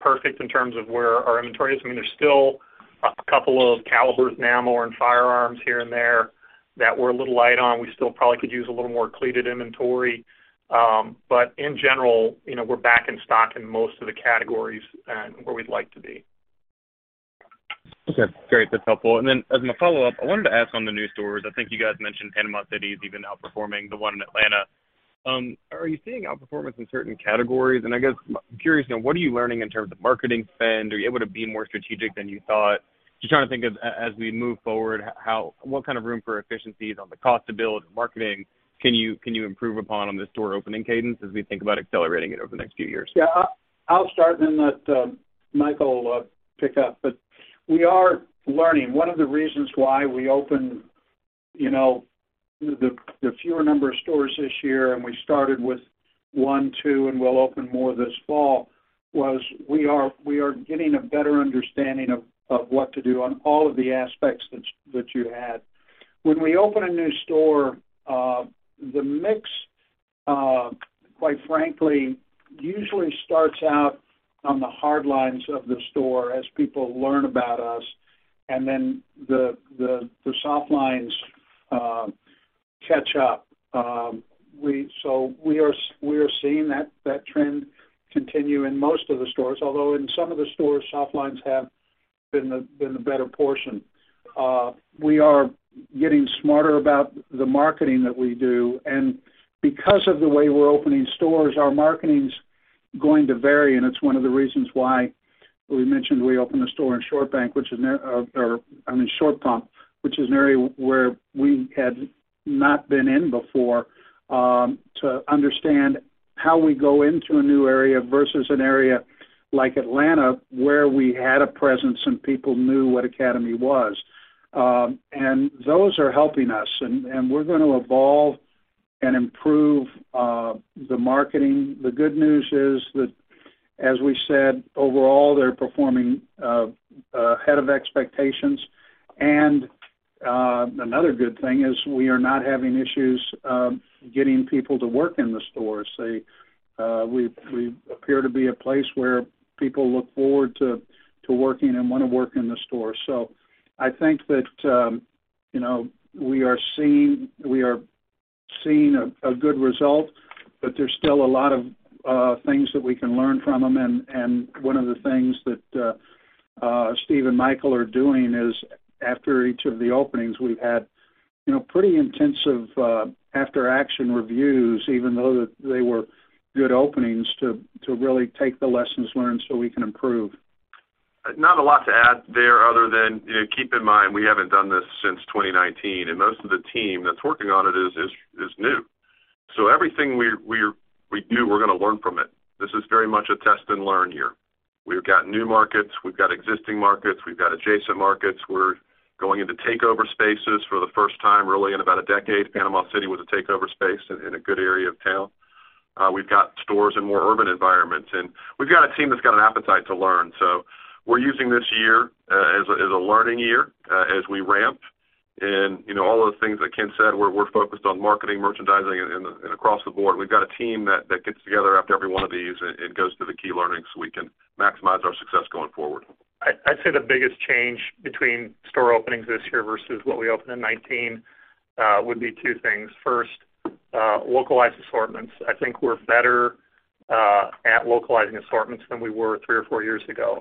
perfect in terms of where our inventory is. I mean, there's still a couple of calibers in ammo and firearms here and there that we're a little light on. We still probably could use a little more cleated inventory. But in general, you know, we're back in stock in most of the categories and where we'd like to be. Okay, great. That's helpful. As my follow-up, I wanted to ask on the new stores. I think you guys mentioned Panama City is even outperforming the one in Atlanta. Are you seeing outperformance in certain categories? I guess I'm curious, you know, what are you learning in terms of marketing spend? Are you able to be more strategic than you thought? Just trying to think of as we move forward, what kind of room for efficiencies on the cost to build marketing can you improve upon the store opening cadence as we think about accelerating it over the next few years? I'll start then let Michael pick up. We are learning. One of the reasons why we opened, you know, the fewer number of stores this year, and we started with one, two, and we'll open more this fall, was we are getting a better understanding of what to do on all of the aspects that you had. When we open a new store, the mix, quite frankly, usually starts out on the hard lines of the store as people learn about us, and then the soft lines catch up. We are seeing that trend continue in most of the stores, although in some of the stores, soft lines have been the better portion. We are getting smarter about the marketing that we do, and because of the way we're opening stores, our marketing's going to vary, and it's one of the reasons why we mentioned we opened a store in Short Pump, which is an area where we had not been in before, to understand how we go into a new area versus an area like Atlanta, where we had a presence and people knew what Academy was. Those are helping us, and we're gonna evolve and improve the marketing. The good news is that, as we said, overall, they're performing ahead of expectations. Another good thing is we are not having issues getting people to work in the stores. We appear to be a place where people look forward to working and wanna work in the store. I think that, you know, we are seeing a good result, but there's still a lot of things that we can learn from them. One of the things that Steve and Michael are doing is after each of the openings, we've had, you know, pretty intensive after action reviews, even though they were good openings, to really take the lessons learned so we can improve. Not a lot to add there other than, you know, keep in mind, we haven't done this since 2019, and most of the team that's working on it is new. So everything we do, we're gonna learn from it. This is very much a test and learn year. We've got new markets, we've got existing markets, we've got adjacent markets. We're going into takeover spaces for the first time, really in about a decade. Panama City was a takeover space in a good area of town. We've got stores in more urban environments, and we've got a team that's got an appetite to learn. So we're using this year as a learning year as we ramp. You know, all those things that Ken said, we're focused on marketing, merchandising and across the board. We've got a team that gets together after every one of these and goes through the key learnings so we can maximize our success going forward. I'd say the biggest change between store openings this year versus what we opened in 2019 would be 2 things. First, localized assortments. I think we're better at localizing assortments than we were 3 or 4 years ago.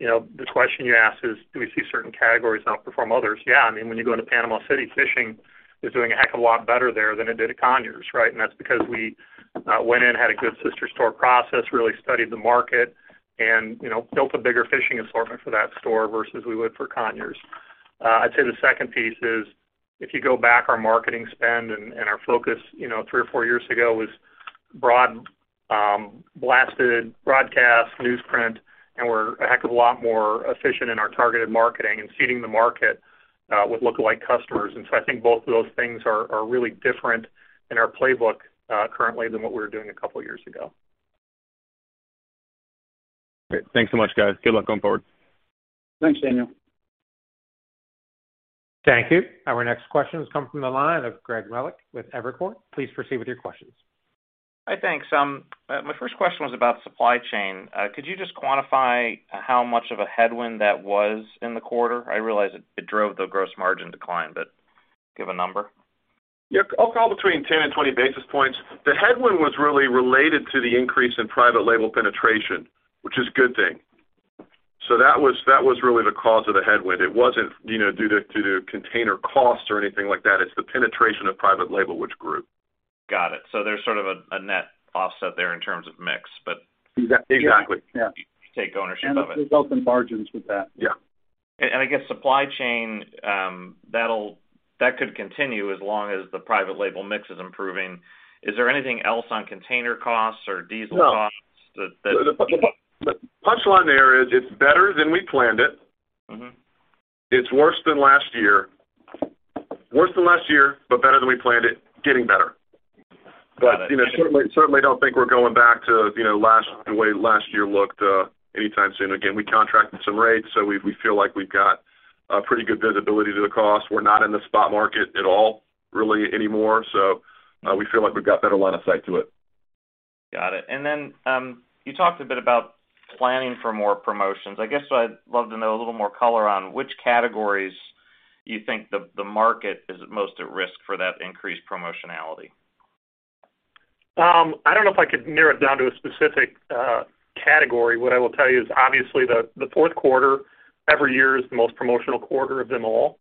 You know, the question you ask is, do we see certain categories outperform others? Yeah. I mean, when you go into Panama City, fishing is doing a heck of a lot better there than it did at Conyers, right? That's because we went in, had a good sister store process, really studied the market and, you know, built a bigger fishing assortment for that store versus we would for Conyers. I'd say the second piece is if you go back, our marketing spend and our focus, you know, three or four years ago was broad, blasted broadcast newsprint, and we're a heck of a lot more efficient in our targeted marketing and seeding the market with lookalike customers. I think both of those things are really different in our playbook currently than what we were doing a couple years ago. Great. Thanks so much, guys. Good luck going forward. Thanks, Daniel. Thank you. Our next question has come from the line of Greg Melich with Evercore. Please proceed with your questions. Hi. Thanks. My first question was about supply chain. Could you just quantify how much of a headwind that was in the quarter? I realize it drove the gross margin decline, but give a number. Yeah, I'll call between 10 and 20 basis points. The headwind was really related to the increase in private label penetration, which is a good thing. That was really the cause of the headwind. It wasn't, you know, due to container costs or anything like that. It's the penetration of private label which grew. Got it. There's sort of a net offset there in terms of mix but- Exactly. Yeah. Take ownership of it. It results in margins with that. Yeah. I guess supply chain, that could continue as long as the private label mix is improving. Is there anything else on container costs or diesel costs that- No. The punchline there is it's better than we planned it. Mm-hmm. It's worse than last year. Worse than last year, but better than we planned it, getting better. Got it. You know, certainly don't think we're going back to, you know, the way last year looked anytime soon. Again, we contracted some rates, so we feel like we've got a pretty good visibility to the cost. We're not in the spot market at all really anymore, so we feel like we've got better line of sight to it. Got it. You talked a bit about planning for more promotions. I guess I'd love to know a little more color on which categories you think the market is most at risk for that increased promotionality? I don't know if I could narrow it down to a specific category. What I will tell you is obviously the fourth quarter every year is the most promotional quarter of them all.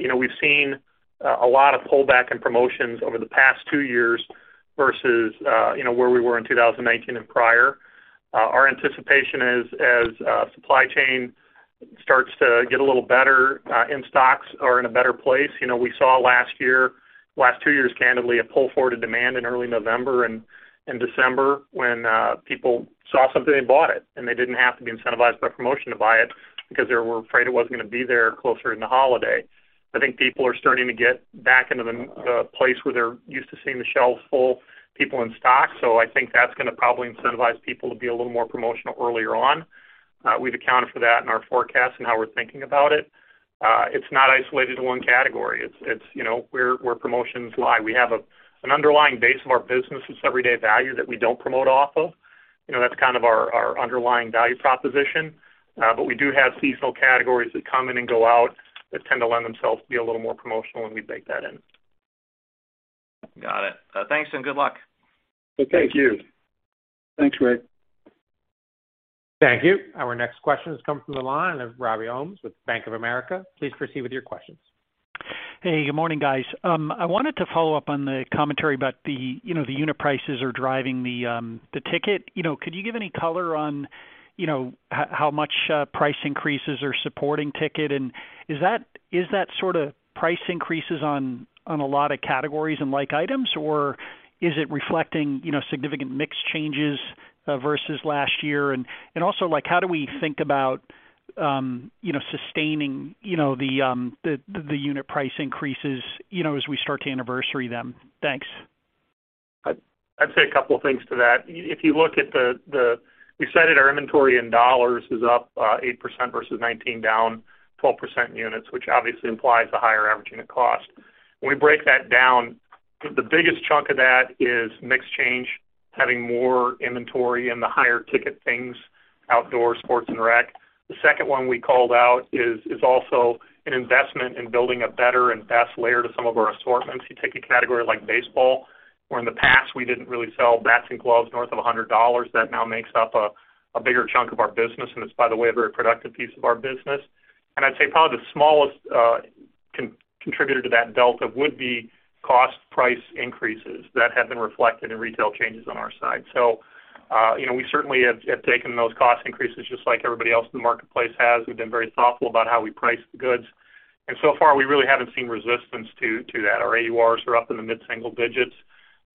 You know, we've seen a lot of pullback in promotions over the past two years versus, you know, where we were in 2019 and prior. Our anticipation is as supply chain starts to get a little better and stocks are in a better place. You know, we saw last year, last two years, candidly, a pull forward to demand in early November and in December when people saw something, they bought it, and they didn't have to be incentivized by promotion to buy it because they were afraid it wasn't gonna be there closer in the holiday. I think people are starting to get back into the place where they're used to seeing the shelves full, product in stock. I think that's gonna probably incentivize people to be a little more promotional earlier on. We've accounted for that in our forecast and how we're thinking about it. It's not isolated to one category. It's, you know, where promotions lie. We have an underlying base of our business is everyday value that we don't promote off of. You know, that's kind of our underlying value proposition. We do have seasonal categories that come in and go out that tend to lend themselves to be a little more promotional, and we bake that in. Got it. Thanks and good luck. Thank you. Thanks, Greg. Thank you. Our next question has come from the line of Robbie Ohmes with Bank of America. Please proceed with your questions. Hey, good morning, guys. I wanted to follow up on the commentary about the, you know, the unit prices are driving the ticket. You know, could you give any color on, you know, how much price increases are supporting ticket? And is that sort of price increases on a lot of categories and like items, or is it reflecting, you know, significant mix changes versus last year? And also, like, how do we think about sustaining the unit price increases, you know, as we start to anniversary them? Thanks. I'd say a couple of things to that. If you look at, we said that our inventory in dollars is up 8% versus 2019, down 12% in units, which obviously implies a higher average unit cost. When we break that down, the biggest chunk of that is mix change. Having more inventory in the higher ticket things, outdoor sports and rec. The second one we called out is also an investment in building a better and best layer to some of our assortments. You take a category like baseball, where in the past we didn't really sell bats and gloves north of $100, that now makes up a bigger chunk of our business, and it's, by the way, a very productive piece of our business. I'd say probably the smallest contributor to that delta would be cost price increases that have been reflected in retail changes on our side. You know, we certainly have taken those cost increases just like everybody else in the marketplace has. We've been very thoughtful about how we price the goods. So far, we really haven't seen resistance to that. Our AURs are up in the mid-single digits,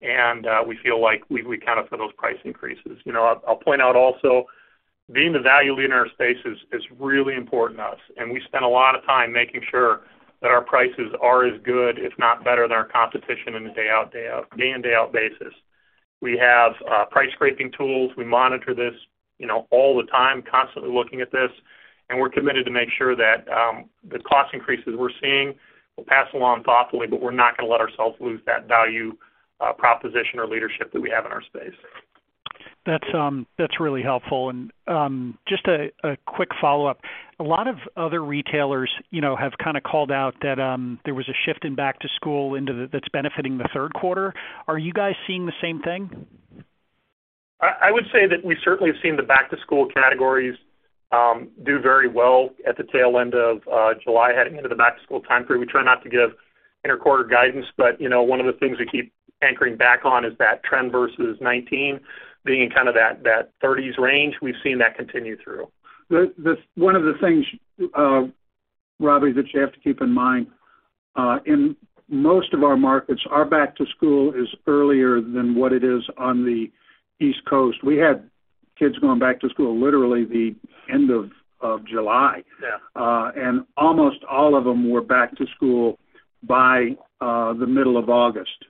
and we feel like we account for those price increases. You know, I'll point out also, being the value leader in our space is really important to us, and we spend a lot of time making sure that our prices are as good, if not better than our competition on a day in, day out basis. We have price scraping tools. We monitor this, you know, all the time, constantly looking at this, and we're committed to make sure that the cost increases we're seeing will pass along thoughtfully, but we're not gonna let ourselves lose that value proposition or leadership that we have in our space. That's really helpful. Just a quick follow-up. A lot of other retailers, you know, have kinda called out that there was a shift in back to school that's benefiting the third quarter. Are you guys seeing the same thing? I would say that we certainly have seen the back to school categories do very well at the tail end of July, heading into the back to school time frame. We try not to give inter-quarter guidance, but you know, one of the things we keep anchoring back on is that trend versus 2019 being in kind of that thirties range. We've seen that continue through. One of the things, Robbie, that you have to keep in mind, in most of our markets, our back to school is earlier than what it is on the East Coast. We had kids going back to school literally the end of July. Yeah. Almost all of them were back to school by the middle of August.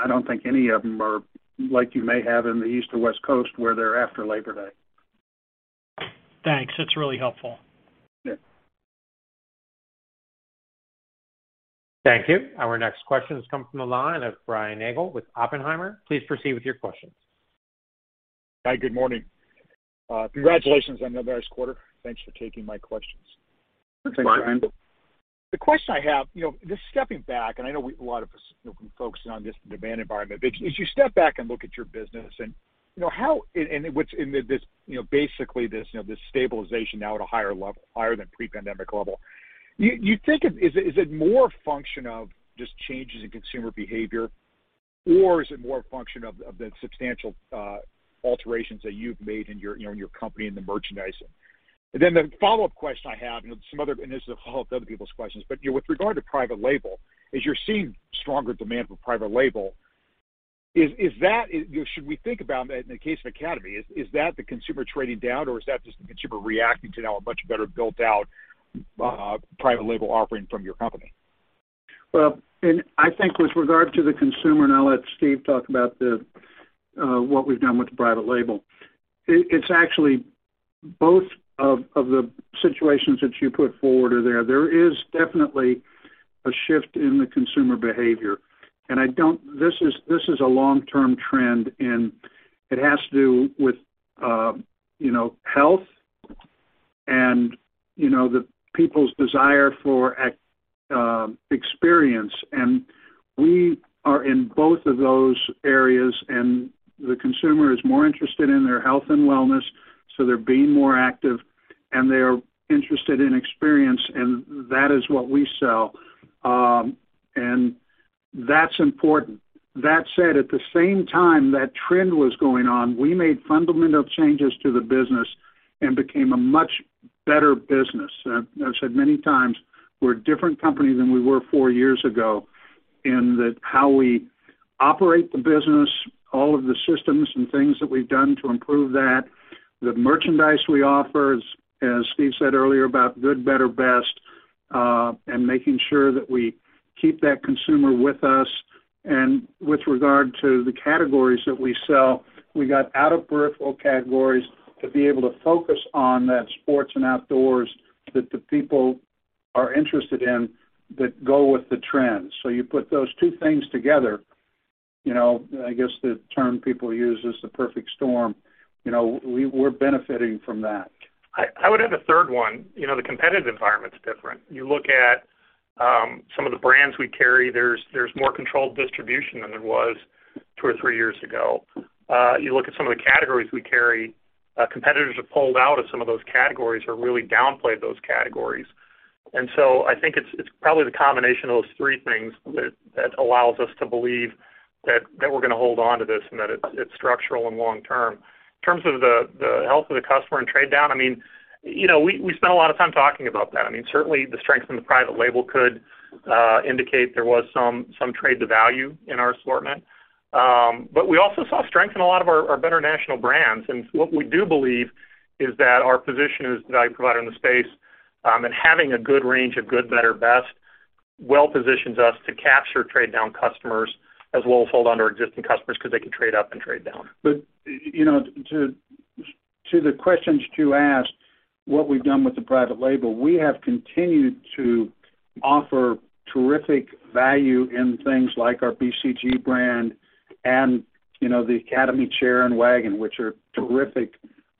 I don't think any of them are like you may have in the East or West Coast where they're after Labor Day. Thanks. That's really helpful. Yeah. Thank you. Our next question has come from the line of Brian Nagel with Oppenheimer. Please proceed with your questions. Hi, good morning. Congratulations on another nice quarter. Thanks for taking my questions. Thanks, Brian. Thanks, Brian. The question I have, you know, just stepping back, and I know a lot of us, you know, can focus in on just the demand environment. But as you step back and look at your business and you know, basically this stabilization now at a higher level, higher than pre-pandemic level. Is it more a function of just changes in consumer behavior, or is it more a function of the substantial alterations that you've made in your, you know, in your company and the merchandising? Then the follow-up question I have, you know, this will help other people's questions. With regard to private label, as you're seeing stronger demand for private label, is that? Should we think about, in the case of Academy, is that the consumer trading down, or is that just the consumer reacting to now a much better built-out private label offering from your company? Well, I think with regard to the consumer, and I'll let Steve talk about what we've done with the private label. It's actually both of the situations that you put forward are there. There is definitely a shift in the consumer behavior. This is a long-term trend, and it has to do with, you know, health and, you know, the people's desire for experience. We are in both of those areas, and the consumer is more interested in their health and wellness, so they're being more active, and they're interested in experience, and that is what we sell. That's important. That said, at the same time that trend was going on, we made fundamental changes to the business and became a much better business. I've said many times, we're a different company than we were four years ago in that how we operate the business, all of the systems and things that we've done to improve that. The merchandise we offer, as Steve said earlier about good, better, best, and making sure that we keep that consumer with us. With regard to the categories that we sell, we got out of peripheral categories to be able to focus on that sports and outdoors that the people are interested in that go with the trends. You put those two things together, you know, I guess the term people use is the perfect storm. You know, we're benefiting from that. I would add a third one. You know, the competitive environment is different. You look at some of the brands we carry, there's more controlled distribution than there was two or three years ago. You look at some of the categories we carry, competitors have pulled out of some of those categories or really downplayed those categories. I think it's probably the combination of those three things that allows us to believe that we're gonna hold on to this and that it's structural and long term. In terms of the health of the customer and trade down, I mean, you know, we spent a lot of time talking about that. I mean, certainly the strength in the private label could indicate there was some trade to value in our assortment. We also saw strength in a lot of our better national brands. What we do believe is that our position as the value provider in the space and having a good range of good, better, best well positions us to capture trade down customers as well as hold onto our existing customers because they can trade up and trade down. You know, to the questions you asked, what we've done with the private label, we have continued to offer terrific value in things like our BCG brand and, you know, the Academy chair and wagon, which are terrific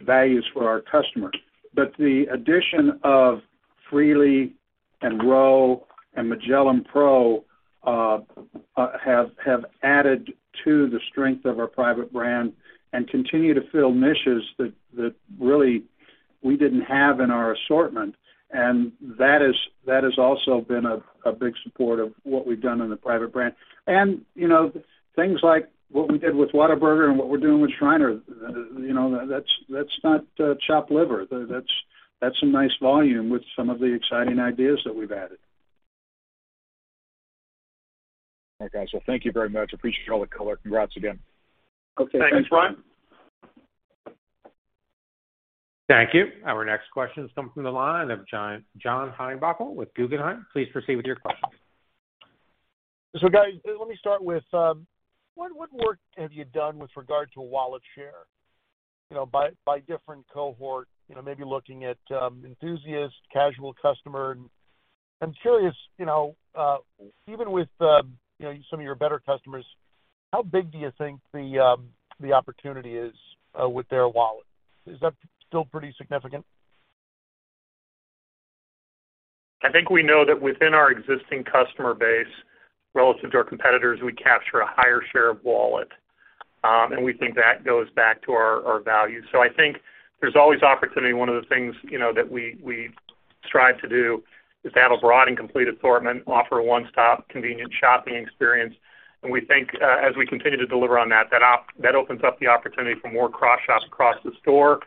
values for our customers. The addition of Freely and R.O.W. and Magellan Outdoors Pro have added to the strength of our private brand and continue to fill niches that really we didn't have in our assortment. That has also been a big support of what we've done in the private brand. You know, things like what we did with Whataburger and what we're doing with Shiner, you know, that's not chopped liver. That's some nice volume with some of the exciting ideas that we've added. Okay. Thank you very much. Appreciate all the color. Congrats again. Okay. Thanks. Thanks, Brian. Thank you. Our next question is coming from the line of John Heinbockel with Guggenheim. Please proceed with your question. Guys, let me start with what work have you done with regard to wallet share by different cohort, maybe looking at enthusiast, casual customer. I'm curious, even with some of your better customers, how big do you think the opportunity is with their wallet? Is that still pretty significant? I think we know that within our existing customer base relative to our competitors, we capture a higher share of wallet, and we think that goes back to our value. I think there's always opportunity. One of the things, you know, that we strive to do is have a broad and complete assortment, offer a one-stop convenient shopping experience. We think, as we continue to deliver on that opens up the opportunity for more cross shops across the store,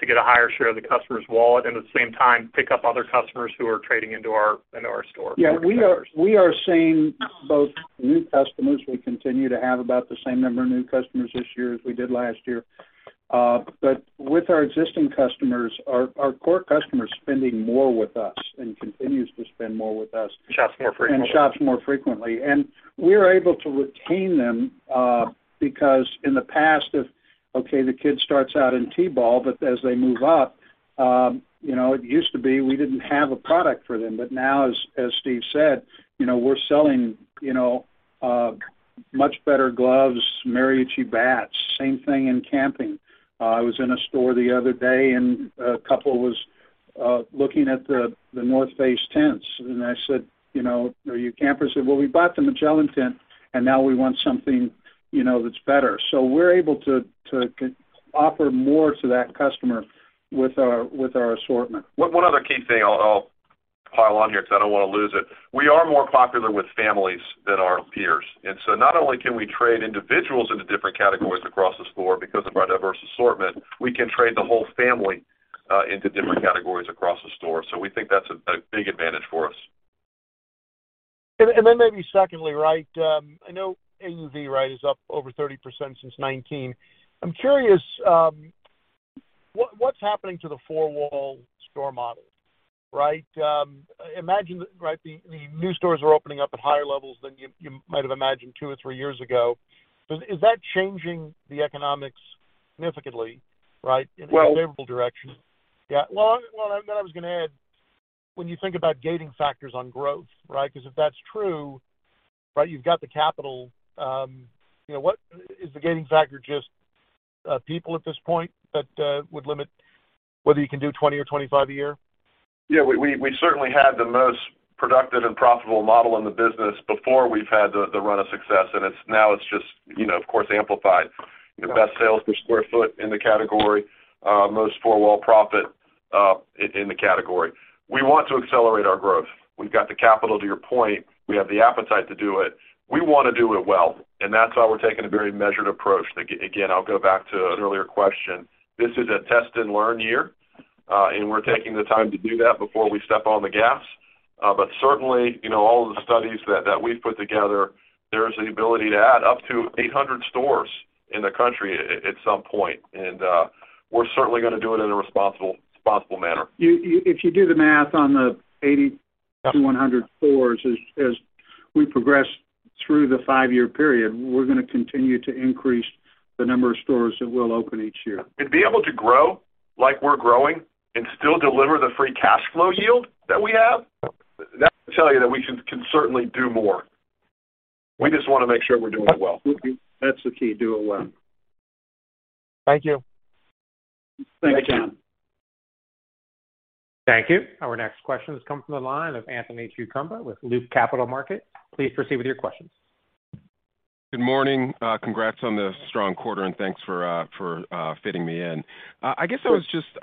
to get a higher share of the customer's wallet, and at the same time, pick up other customers who are trading into our store. Yeah, we are seeing both new customers. We continue to have about the same number of new customers this year as we did last year. With our existing customers, our core customer is spending more with us and continues to spend more with us. Shops more frequently. Shops more frequently. We are able to retain them, because in the past, the kid starts out in T-ball, but as they move up, you know, it used to be we didn't have a product for them. Now, as Steve said, you know, we're selling, you know, much better gloves, Marucci bats, same thing in camping. I was in a store the other day and a couple was looking at the The North Face tents, and I said, "You know, are you a camper?" They said, "Well, we bought the Magellan tent, and now we want something, you know, that's better." We're able to offer more to that customer with our assortment. One other key thing I'll pile on here because I don't wanna lose it. We are more popular with families than our peers. Not only can we trade individuals into different categories across the store because of our diverse assortment, we can trade the whole family into different categories across the store. We think that's a big advantage for us. Maybe secondly, right, I know AUV, right, is up over 30% since 2019. I'm curious, what's happening to the four-wall store model, right? Imagine, right, the new stores are opening up at higher levels than you might have imagined two or three years ago. Is that changing the economics significantly, right, in a favorable direction? Yeah. Well, then I was gonna add, when you think about gating factors on growth, right? Because if that's true, right, you've got the capital, you know, what is the gating factor just people at this point that would limit whether you can do 20 or 25 a year? Yeah, we certainly had the most productive and profitable model in the business before we've had the run of success, and it's now, you know, of course, amplified. The best sales per square foot in the category, most four-wall profit in the category. We want to accelerate our growth. We've got the capital, to your point. We have the appetite to do it. We wanna do it well, and that's why we're taking a very measured approach. Again, I'll go back to an earlier question. This is a test and learn year, and we're taking the time to do that before we step on the gas. But certainly, you know, all of the studies that we've put together, there is the ability to add up to 800 stores in the country at some point. We're certainly gonna do it in a responsible manner. If you do the math on the 80-100 stores, as we progress through the five-year period, we're gonna continue to increase the number of stores that we'll open each year. Be able to grow like we're growing and still deliver the free cash flow yield that we have, that tells you that we can certainly do more. We just wanna make sure we're doing it well. That's the key. Do it well. Thank you. Thanks, John. Thank you. Thank you. Our next question comes from the line of Anthony Chukumba with Loop Capital Markets. Please proceed with your questions. Good morning. Congrats on the strong quarter, and thanks for fitting me in. I guess I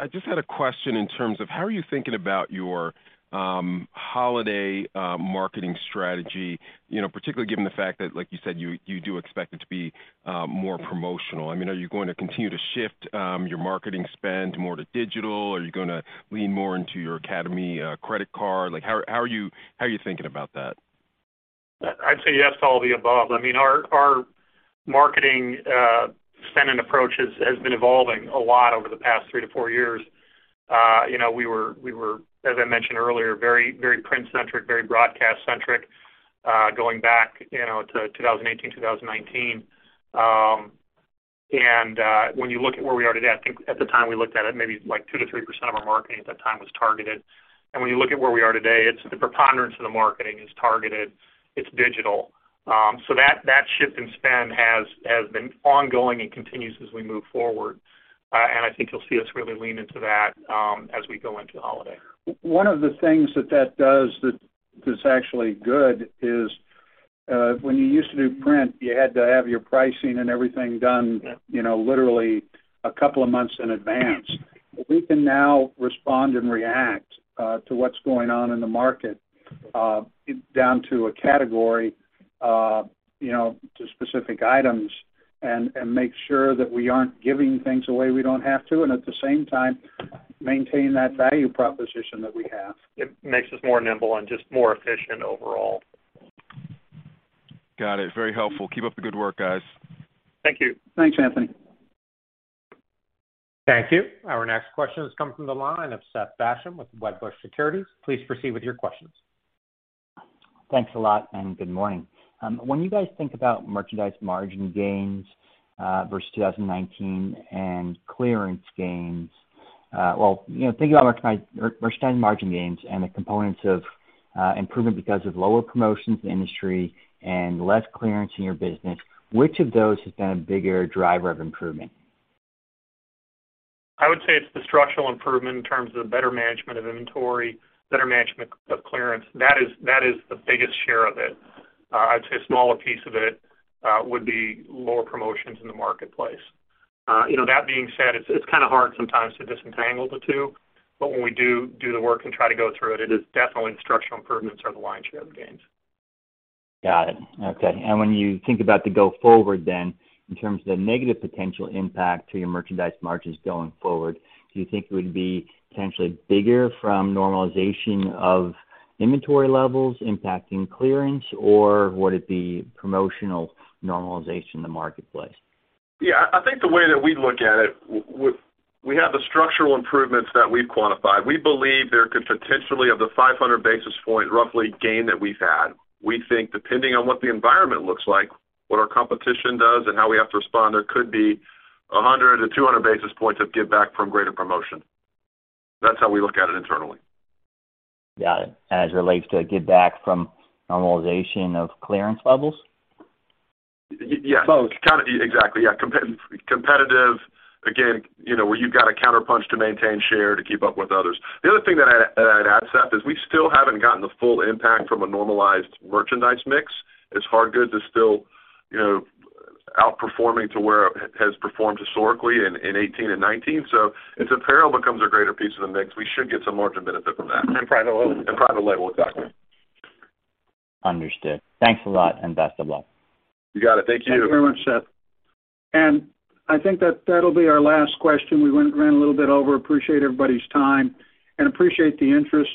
just had a question in terms of how are you thinking about your holiday marketing strategy, you know, particularly given the fact that, like you said, you do expect it to be more promotional. I mean, are you gonna continue to shift your marketing spend more to digital? Are you gonna lean more into your Academy credit card? Like, how are you thinking about that? I'd say yes to all the above. I mean, our marketing spend and approach has been evolving a lot over the past 3-4 years. You know, we were, as I mentioned earlier, very print-centric, very broadcast-centric, going back, you know, to 2018, 2019. When you look at where we are today, I think at the time we looked at it, maybe like 2%-3% of our marketing at that time was targeted. When you look at where we are today, it's the preponderance of the marketing is targeted, it's digital. That shift in spend has been ongoing and continues as we move forward. I think you'll see us really lean into that, as we go into holiday. One of the things that does, that's actually good is, when you used to do print, you had to have your pricing and everything done. Yeah. You know, literally a couple of months in advance. We can now respond and react to what's going on in the market down to a category, you know, to specific items and make sure that we aren't giving things away we don't have to, and at the same time, maintain that value proposition that we have. It makes us more nimble and just more efficient overall. Got it. Very helpful. Keep up the good work, guys. Thank you. Thanks, Anthony. Thank you. Our next question has come from the line of Seth Basham with Wedbush Securities. Please proceed with your questions. Thanks a lot. Good morning. When you guys think about merchandise margin gains versus 2019 and clearance gains, well, you know, think about merchandise margin gains and the components of improvement because of lower promotional intensity and less clearance in your business, which of those has been a bigger driver of improvement? I would say it's the structural improvement in terms of better management of inventory, better management of clearance. That is the biggest share of it. I'd say a smaller piece of it would be lower promotions in the marketplace. You know, that being said, it's kinda hard sometimes to disentangle the two, but when we do the work and try to go through it is definitely the structural improvements are the lion's share of the gains. Got it. Okay. When you think about the go forward then, in terms of the negative potential impact to your merchandise margins going forward, do you think it would be potentially bigger from normalization of inventory levels impacting clearance, or would it be promotional normalization in the marketplace? Yeah. I think the way that we look at it, we have the structural improvements that we've quantified. We believe there could potentially, of the 500 basis point roughly gain that we've had, we think depending on what the environment looks like, what our competition does and how we have to respond, there could be 100-200 basis points of giveback from greater promotion. That's how we look at it internally. Got it. As it relates to giveback from normalization of clearance levels? Y-yes. Both. Exactly, yeah. Competitive again, you know, where you've got a counterpunch to maintain share to keep up with others. The other thing that I'd add, Seth, is we still haven't gotten the full impact from a normalized merchandise mix as hard goods is still, you know, outperforming to where it has performed historically in 2018 and 2019. As apparel becomes a greater piece of the mix, we should get some margin benefit from that. Private label. Private label, exactly. Understood. Thanks a lot, and best of luck. You got it. Thank you. Thanks very much, Seth. I think that that'll be our last question. We ran a little bit over. Appreciate everybody's time and appreciate the interest.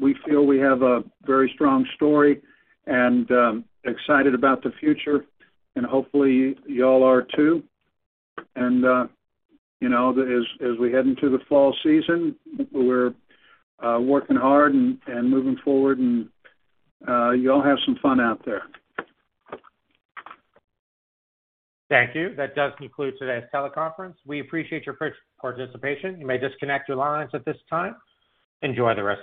We feel we have a very strong story and excited about the future and hopefully y'all are too. You know, as we head into the fall season, we're working hard and moving forward and y'all have some fun out there. Thank you. That does conclude today's teleconference. We appreciate your participation. You may disconnect your lines at this time. Enjoy the rest of your day.